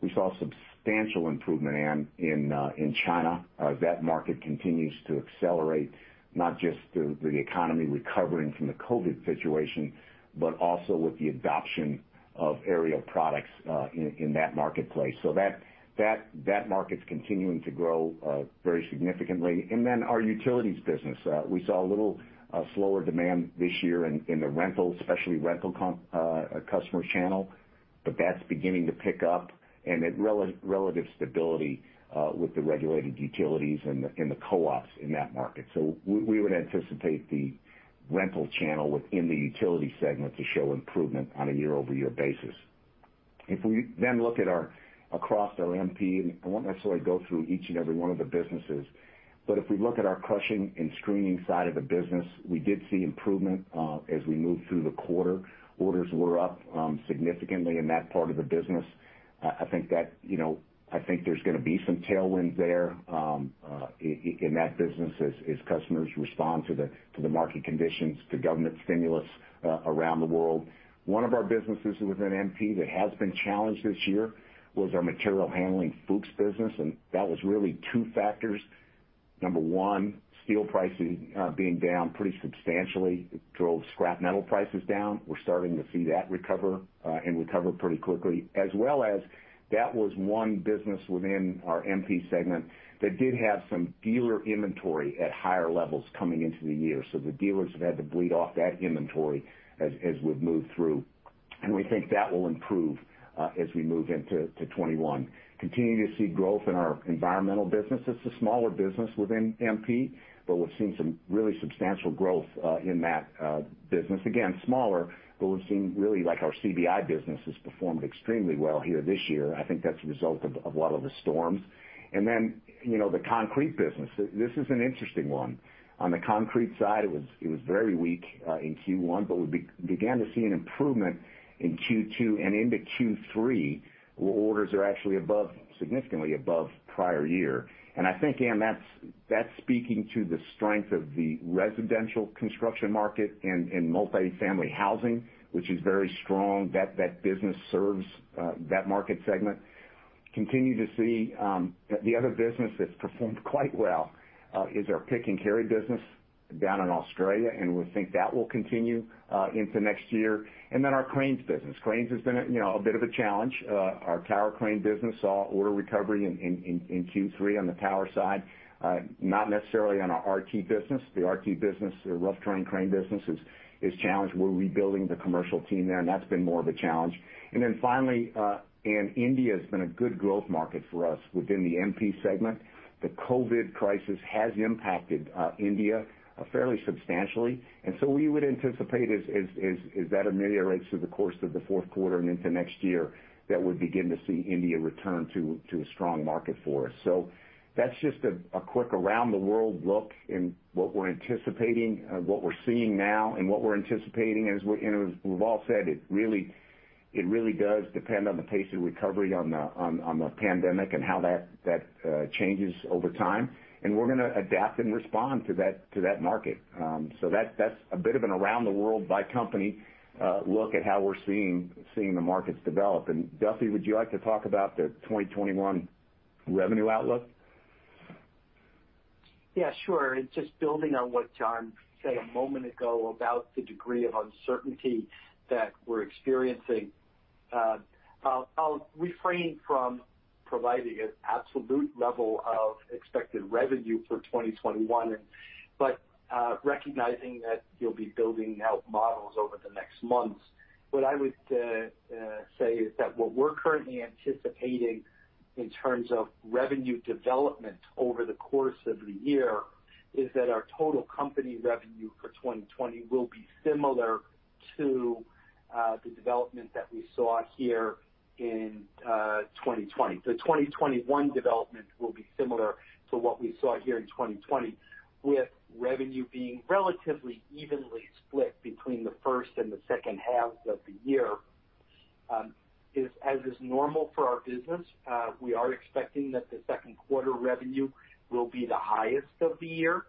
Speaker 3: We saw substantial improvement, Ann, in China. That market continues to accelerate, not just through the economy recovering from the COVID-19 situation, but also with the adoption of aerial products in that marketplace. That market's continuing to grow very significantly. Then our Utilities business. We saw a little slower demand this year in the rental, especially rental customer channel, but that's beginning to pick up and at relative stability with the regulated utilities and the co-ops in that market. We would anticipate the rental channel within the utility segment to show improvement on a year-over-year basis. If we then look at across our MP, and I won't necessarily go through each and every one of the businesses, but if we look at our crushing and screening side of the business, we did see improvement as we moved through the quarter. Orders were up significantly in that part of the business. I think there's going to be some tailwinds there in that business as customers respond to the market conditions, to government stimulus around the world. One of our businesses within MP that has been challenged this year was our material handling Fuchs business, and that was really two factors. Number one, steel pricing being down pretty substantially. It drove scrap metal prices down. We're starting to see that recover, and recover pretty quickly. As well as that was one business within our MP segment that did have some dealer inventory at higher levels coming into the year. The dealers have had to bleed off that inventory as we've moved through. We think that will improve as we move into 2021. Continue to see growth in our environmental business. It's a smaller business within MP, but we've seen some really substantial growth in that business. Again, smaller, but we've seen really like our CBI business has performed extremely well here this year. I think that's a result of a lot of the storms. The concrete business. This is an interesting one. On the concrete side, it was very weak in Q1, but we began to see an improvement in Q2 and into Q3, where orders are actually significantly above prior year. I think, Ann, that's speaking to the strength of the residential construction market and multifamily housing, which is very strong. That business serves that market segment. Continue to see the other business that's performed quite well is our pick and carry business down in Australia, and we think that will continue into next year. Our cranes business. Cranes has been a bit of a challenge. Our tower crane business saw order recovery in Q3 on the tower side. Not necessarily on our RT business. The RT business, the rough terrain crane business, is challenged. We're rebuilding the commercial team there, and that's been more of a challenge. Finally, Ann, India has been a good growth market for us within the MP segment. The COVID crisis has impacted India fairly substantially. We would anticipate as that ameliorates through the course of the fourth quarter and into next year, that we'd begin to see India return to a strong market for us. That's just a quick around-the-world look in what we're seeing now and what we're anticipating. As we've all said, it really does depend on the pace of recovery on the pandemic and how that changes over time. We're going to adapt and respond to that market. That's a bit of an around-the-world by company look at how we're seeing the markets develop. Duffy, would you like to talk about the 2021 revenue outlook?
Speaker 4: Yeah, sure. Just building on what John said a moment ago about the degree of uncertainty that we're experiencing. I'll refrain from providing an absolute level of expected revenue for 2021. Recognizing that you'll be building out models over the next months, what I would say is that what we're currently anticipating in terms of revenue development over the course of the year is that our total company revenue for 2020 will be similar to the development that we saw here in 2020. The 2021 development will be similar to what we saw here in 2020, with revenue being relatively evenly split between the first and the second halves of the year. As is normal for our business, we are expecting that the second quarter revenue will be the highest of the year,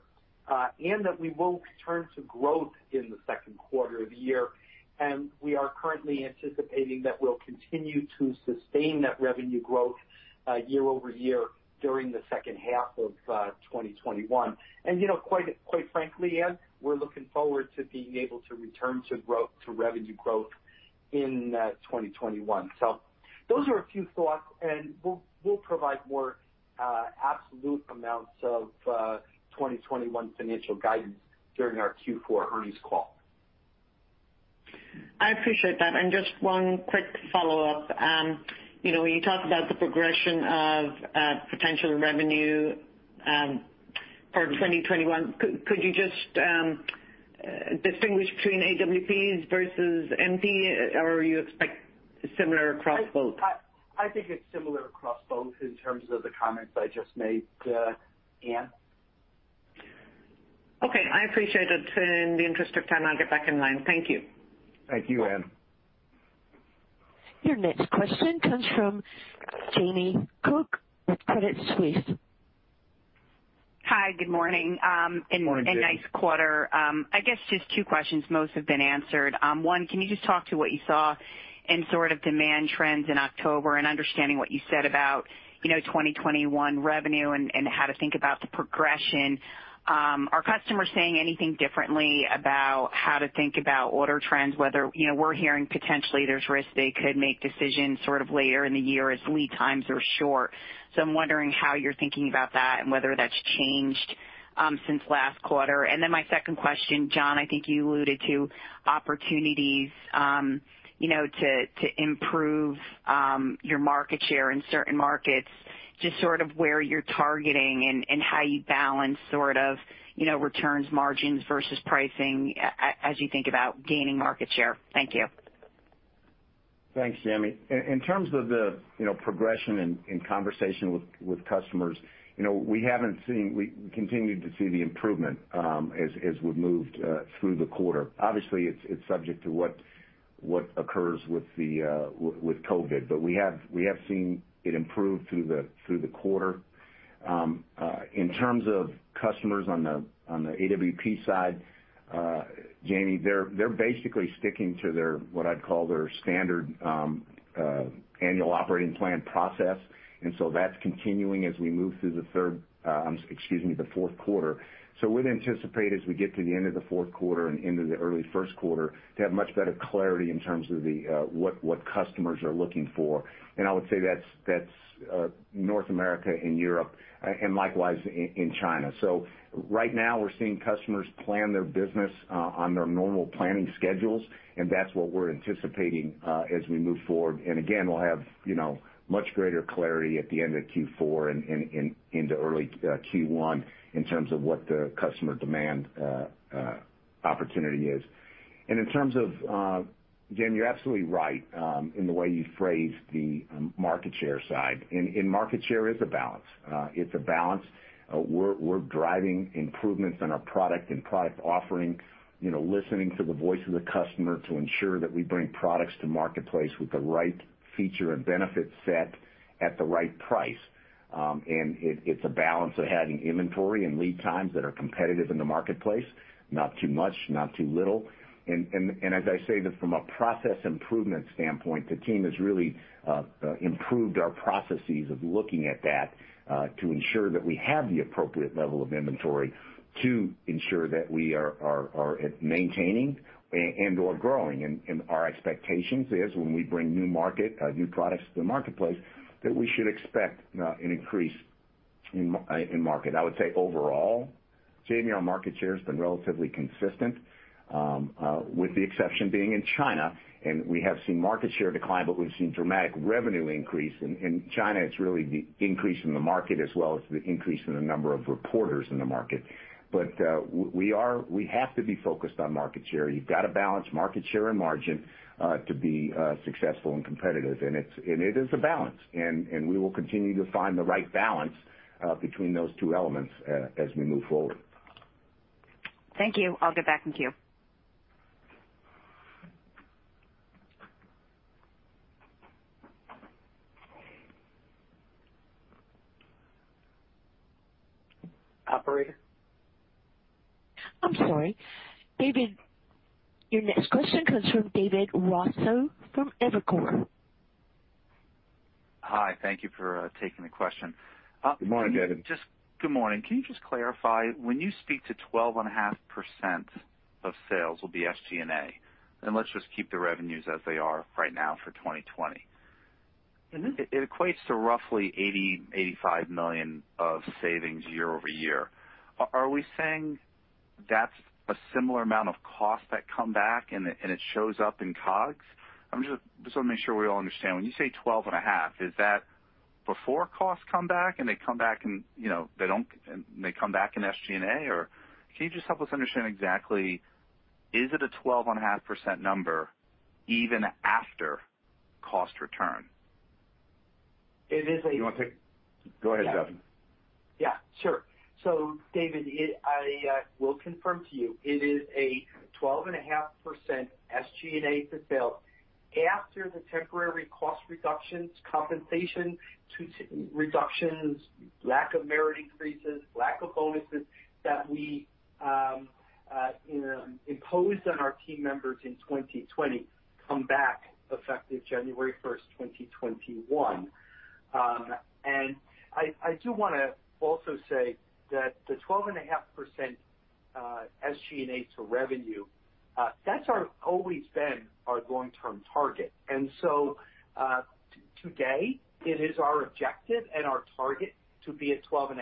Speaker 4: and that we will return to growth in the second quarter of the year. We are currently anticipating that we'll continue to sustain that revenue growth year-over-year during the second half of 2021. Quite frankly, Ann, we're looking forward to being able to return to revenue growth in 2021. Those are a few thoughts, and we'll provide more absolute amounts of 2021 financial guidance during our Q4 earnings call.
Speaker 8: I appreciate that. Just one quick follow-up. When you talk about the progression of potential revenue for 2021, could you just distinguish between AWPs versus MP? Or are you expect similar across both?
Speaker 4: I think it's similar across both in terms of the comments I just made, Ann.
Speaker 8: Okay. I appreciate it. In the interest of time, I'll get back in line. Thank you.
Speaker 4: Thank you, Ann.
Speaker 1: Your next question comes from Jamie Cook with Credit Suisse.
Speaker 9: Hi, good morning.
Speaker 3: Morning, Jamie.
Speaker 9: Nice quarter. I guess just two questions. Most have been answered. One, can you just talk to what you saw in sort of demand trends in October and understanding what you said about 2021 revenue and how to think about the progression? Are customers saying anything differently about how to think about order trends, whether we're hearing potentially there's risk they could make decisions sort of later in the year as lead times are short. I'm wondering how you're thinking about that and whether that's changed since last quarter. My second question, John, I think you alluded to opportunities to improve your market share in certain markets, just sort of where you're targeting and how you balance sort of returns margins versus pricing as you think about gaining market share. Thank you.
Speaker 3: Thanks, Jamie. In terms of the progression and conversation with customers, we continued to see the improvement as we've moved through the quarter. Obviously, it's subject to what occurs with COVID, but we have seen it improve through the quarter. In terms of customers on the AWP side, Jamie, they're basically sticking to what I'd call their standard annual operating plan process. That's continuing as we move through the fourth quarter. We'd anticipate as we get to the end of the fourth quarter and into the early first quarter, to have much better clarity in terms of what customers are looking for. I would say that's North America and Europe, and likewise in China. Right now we're seeing customers plan their business on their normal planning schedules, and that's what we're anticipating as we move forward. Again, we'll have much greater clarity at the end of Q4 and into early Q1 in terms of what the customer demand opportunity is. Jamie, you're absolutely right in the way you phrased the market share side. Market share is a balance. It's a balance. We're driving improvements in our product and product offering, listening to the voice of the customer to ensure that we bring products to marketplace with the right feature and benefit set at the right price. It's a balance of having inventory and lead times that are competitive in the marketplace. Not too much, not too little. As I say, that from a process improvement standpoint, the team has really improved our processes of looking at that to ensure that we have the appropriate level of inventory to ensure that we are maintaining and/or growing. Our expectations is when we bring new products to the marketplace, that we should expect an increase in market. I would say overall, Jamie, our market share has been relatively consistent, with the exception being in China, and we have seen market share decline, but we've seen dramatic revenue increase. In China, it's really the increase in the market as well as the increase in the number of reporters in the market. We have to be focused on market share. You've got to balance market share and margin to be successful and competitive. It is a balance, and we will continue to find the right balance between those two elements as we move forward.
Speaker 9: Thank you. I'll get back in queue.
Speaker 4: Operator?
Speaker 1: I'm sorry. David, your next question comes from David Raso from Evercore.
Speaker 10: Hi, thank you for taking the question.
Speaker 3: Good morning, David.
Speaker 10: Good morning. Can you just clarify, when you speak to 12.5% of sales will be SG&A, and let's just keep the revenues as they are right now for 2020. It equates to roughly $80 million, $85 million of savings year-over-year. Are we saying that's a similar amount of cost that come back and it shows up in COGS? I just want to make sure we all understand. When you say 12.5%, is that before costs come back and they come back in SG&A? Or can you just help us understand exactly, is it a 12.5% number even after cost return?
Speaker 4: It is a-
Speaker 3: Go ahead, Duffy.
Speaker 4: Yeah, sure. David, I will confirm to you, it is a 12.5% SG&A to sales after the temporary cost reductions, compensation reductions, lack of merit increases, lack of bonuses that we imposed on our team members in 2020 come back effective January 1st, 2021. I do want to also say that the 12.5% SG&A to revenue, that's always been our long-term target. Today it is our objective and our target to be at 12.5%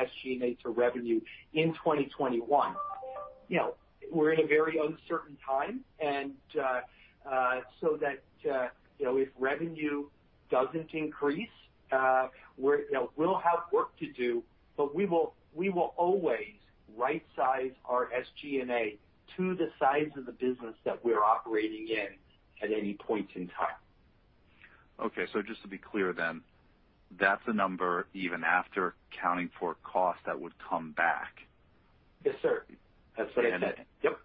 Speaker 4: SG&A to revenue in 2021. We're in a very uncertain time, and so if revenue doesn't increase, we'll have work to do, but we will always right-size our SG&A to the size of the business that we're operating in at any point in time.
Speaker 10: Okay, just to be clear then, that's the number even after accounting for cost that would come back.
Speaker 4: Yes, sir. That's what I said. Yep.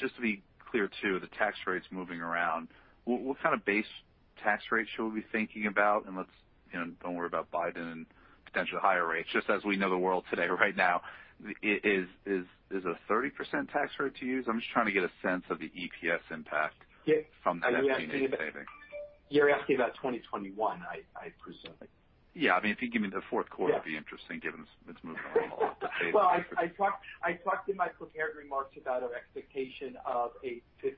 Speaker 10: Just to be clear, too, the tax rates moving around, what kind of base tax rate should we be thinking about? Don't worry about Biden and potential higher rates. Just as we know the world today right now, is a 30% tax rate to use? I'm just trying to get a sense of the EPS impact from the SG&A savings.
Speaker 4: You're asking about 2021, I presume.
Speaker 10: Yeah. If you give me the fourth quarter, it'd be interesting given it's moving around a lot, the savings.
Speaker 4: Well, I talked in my prepared remarks about our expectation of a 52%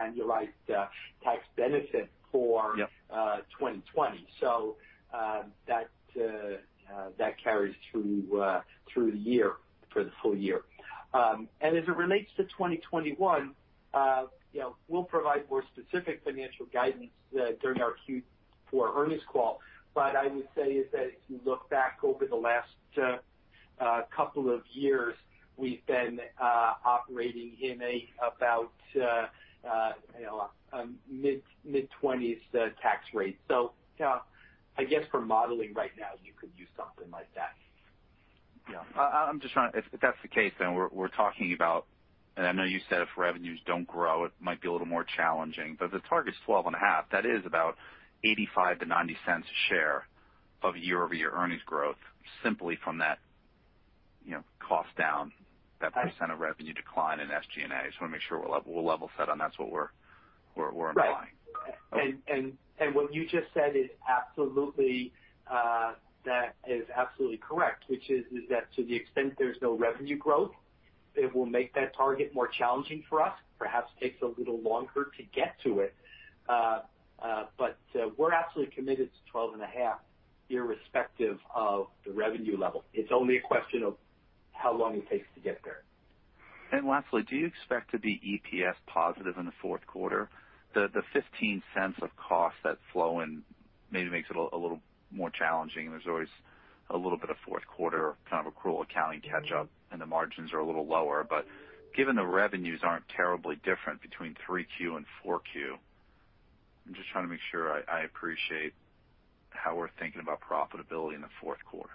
Speaker 4: annualized tax benefit.
Speaker 10: Yep
Speaker 4: That carries through the year for the full year. As it relates to 2021, we'll provide more specific financial guidance during our Q4 earnings call. I would say is that if you look back over the last couple of years, we've been operating in about mid-20s tax rate. I guess for modeling right now, you could use something like that.
Speaker 10: Yeah. If that's the case, then we're talking about, and I know you said if revenues don't grow, it might be a little more challenging, but the target's 12.5%. That is about $0.85-$0.90 a share of year-over-year earnings growth simply from that cost down, that percent of revenue decline in SG&A. I just want to make sure we're level set on that's what we're implying.
Speaker 4: Right.
Speaker 3: Okay.
Speaker 4: What you just said is absolutely correct, which is that to the extent there's no revenue growth, it will make that target more challenging for us, perhaps takes a little longer to get to it. We're absolutely committed to 12.5%, irrespective of the revenue level. It's only a question of how long it takes to get there.
Speaker 10: Lastly, do you expect to be EPS positive in the fourth quarter? The $0.15 of cost that's flowing maybe makes it a little more challenging, and there's always a little bit of fourth quarter kind of accrual accounting catch-up and the margins are a little lower. Given the revenues aren't terribly different between 3Q and 4Q, I'm just trying to make sure I appreciate how we're thinking about profitability in the fourth quarter.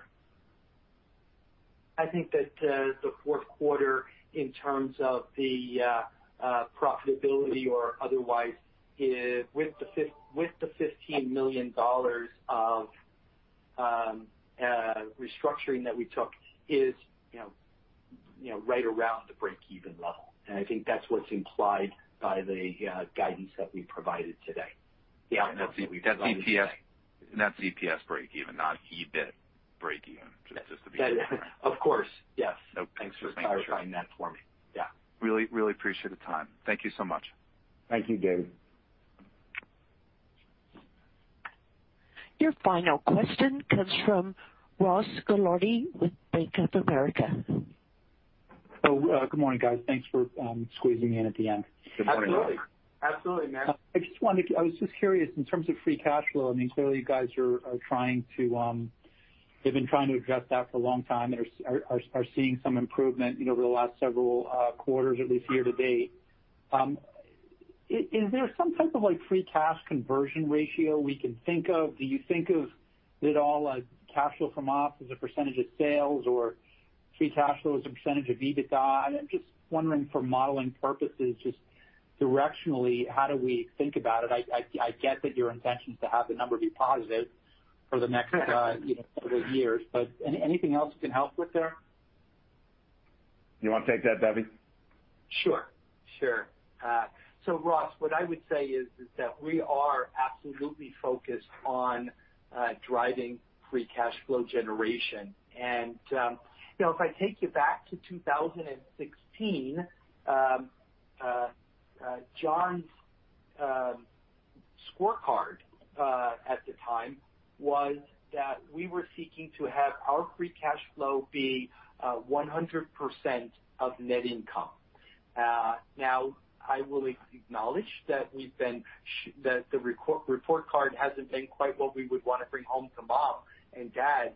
Speaker 4: I think that the fourth quarter, in terms of the profitability or otherwise, with the $15 million of restructuring that we took is right around the breakeven level. I think that's what's implied by the guidance that we provided today. The outcome that we provided today.
Speaker 10: That's EPS breakeven, not EBIT breakeven, just to be clear.
Speaker 4: Of course, yes.
Speaker 10: Thanks for clarifying that for me.
Speaker 4: Yeah.
Speaker 10: Really appreciate the time. Thank you so much.
Speaker 4: Thank you, David.
Speaker 1: Your final question comes from Ross Gilardi with Bank of America.
Speaker 11: Good morning, guys. Thanks for squeezing me in at the end.
Speaker 4: Good morning, Ross.
Speaker 3: Good morning.
Speaker 4: Absolutely, man.
Speaker 11: I was just curious in terms of free cash flow, clearly you guys have been trying to address that for a long time and are seeing some improvement over the last several quarters, at least year to date. Is there some type of free cash conversion ratio we can think of? Do you think of it all like cash flow from ops as a percentage of sales or free cash flow as a percentage of EBITDA? I'm just wondering for modeling purposes, just directionally, how do we think about it? I get that your intention is to have the number be positive for the next couple of years, but anything else you can help with there?
Speaker 3: You want to take that, Duffy?
Speaker 4: Sure. Ross, what I would say is that we are absolutely focused on driving free cash flow generation. If I take you back to 2016, John's scorecard at the time was that we were seeking to have our free cash flow be 100% of net income. Now, I will acknowledge that the report card hasn't been quite what we would want to bring home to mom and dad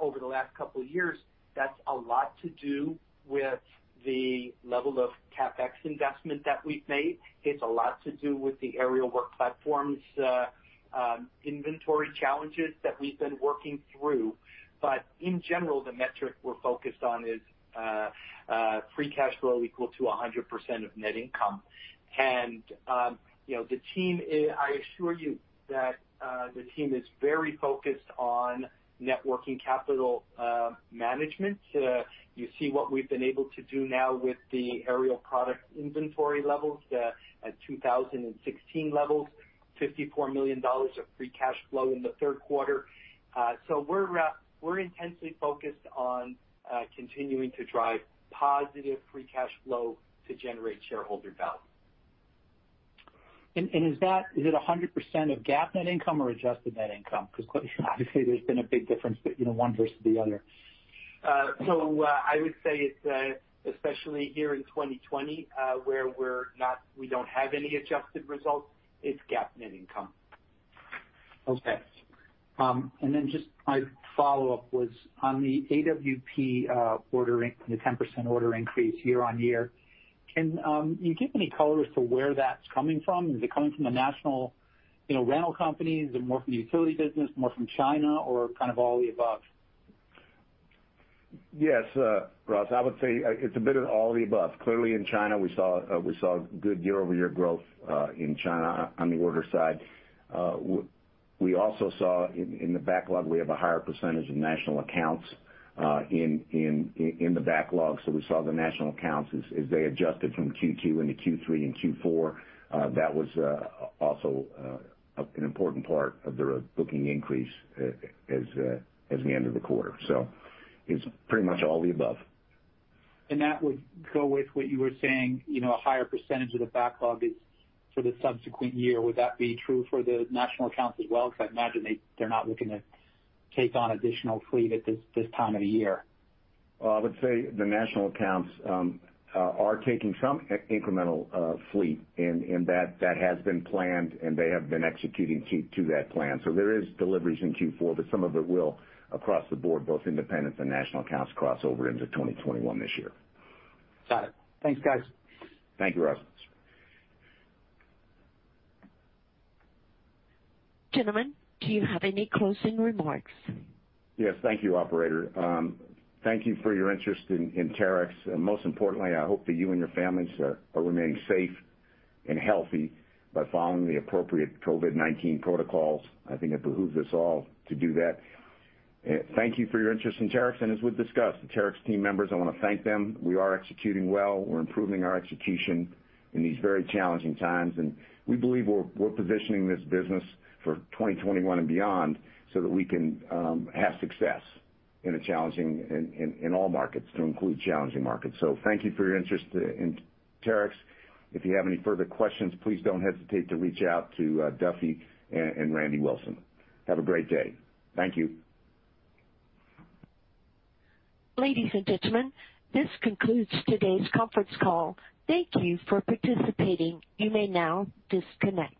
Speaker 4: over the last couple of years. That's a lot to do with the level of CapEx investment that we've made. It's a lot to do with the aerial work platforms inventory challenges that we've been working through. In general, the metric we're focused on is free cash flow equal to 100% of net income. I assure you that the team is very focused on net working capital management. You see what we've been able to do now with the aerial products inventory levels, the 2016 levels, $54 million of free cash flow in the third quarter. We're intensely focused on continuing to drive positive free cash flow to generate shareholder value.
Speaker 11: Is it 100% of GAAP net income or adjusted net income? Because obviously, there's been a big difference one versus the other.
Speaker 4: I would say it's, especially here in 2020, where we don't have any adjusted results, it's GAAP net income.
Speaker 11: Okay. Just my follow-up was on the AWP order, the 10% order increase year-over-year. Can you give any color as to where that's coming from? Is it coming from the national rental companies? Is it more from the utility business, more from China, or kind of all of the above?
Speaker 3: Yes, Ross. I would say it's a bit of all of the above. Clearly in China, we saw good year-over-year growth in China on the order side. We also saw in the backlog, we have a higher percentage of national accounts in the backlog. We saw the national accounts as they adjusted from Q2 into Q3 and Q4. That was also an important part of the booking increase as the end of the quarter. It's pretty much all of the above.
Speaker 11: That would go with what you were saying, a higher percentage of the backlog is for the subsequent year. Would that be true for the national accounts as well? I'd imagine they're not looking to take on additional fleet at this time of the year.
Speaker 3: I would say the national accounts are taking some incremental fleet, and that has been planned, and they have been executing to that plan. There is deliveries in Q4, but some of it will, across the board, both independents and national accounts, cross over into 2021 this year.
Speaker 11: Got it. Thanks, guys.
Speaker 3: Thank you, Ross.
Speaker 1: Gentlemen, do you have any closing remarks?
Speaker 3: Thank you, operator. Thank you for your interest in Terex, most importantly, I hope that you and your families are remaining safe and healthy by following the appropriate COVID-19 protocols. I think it behooves us all to do that. Thank you for your interest in Terex, as we've discussed, the Terex team members, I want to thank them. We are executing well. We're improving our execution in these very challenging times, we believe we're positioning this business for 2021 and beyond so that we can have success in all markets, to include challenging markets. Thank you for your interest in Terex. If you have any further questions, please don't hesitate to reach out to Duffy and Randy Wilson. Have a great day. Thank you.
Speaker 1: Ladies and gentlemen, this concludes today's conference call. Thank you for participating. You may now disconnect.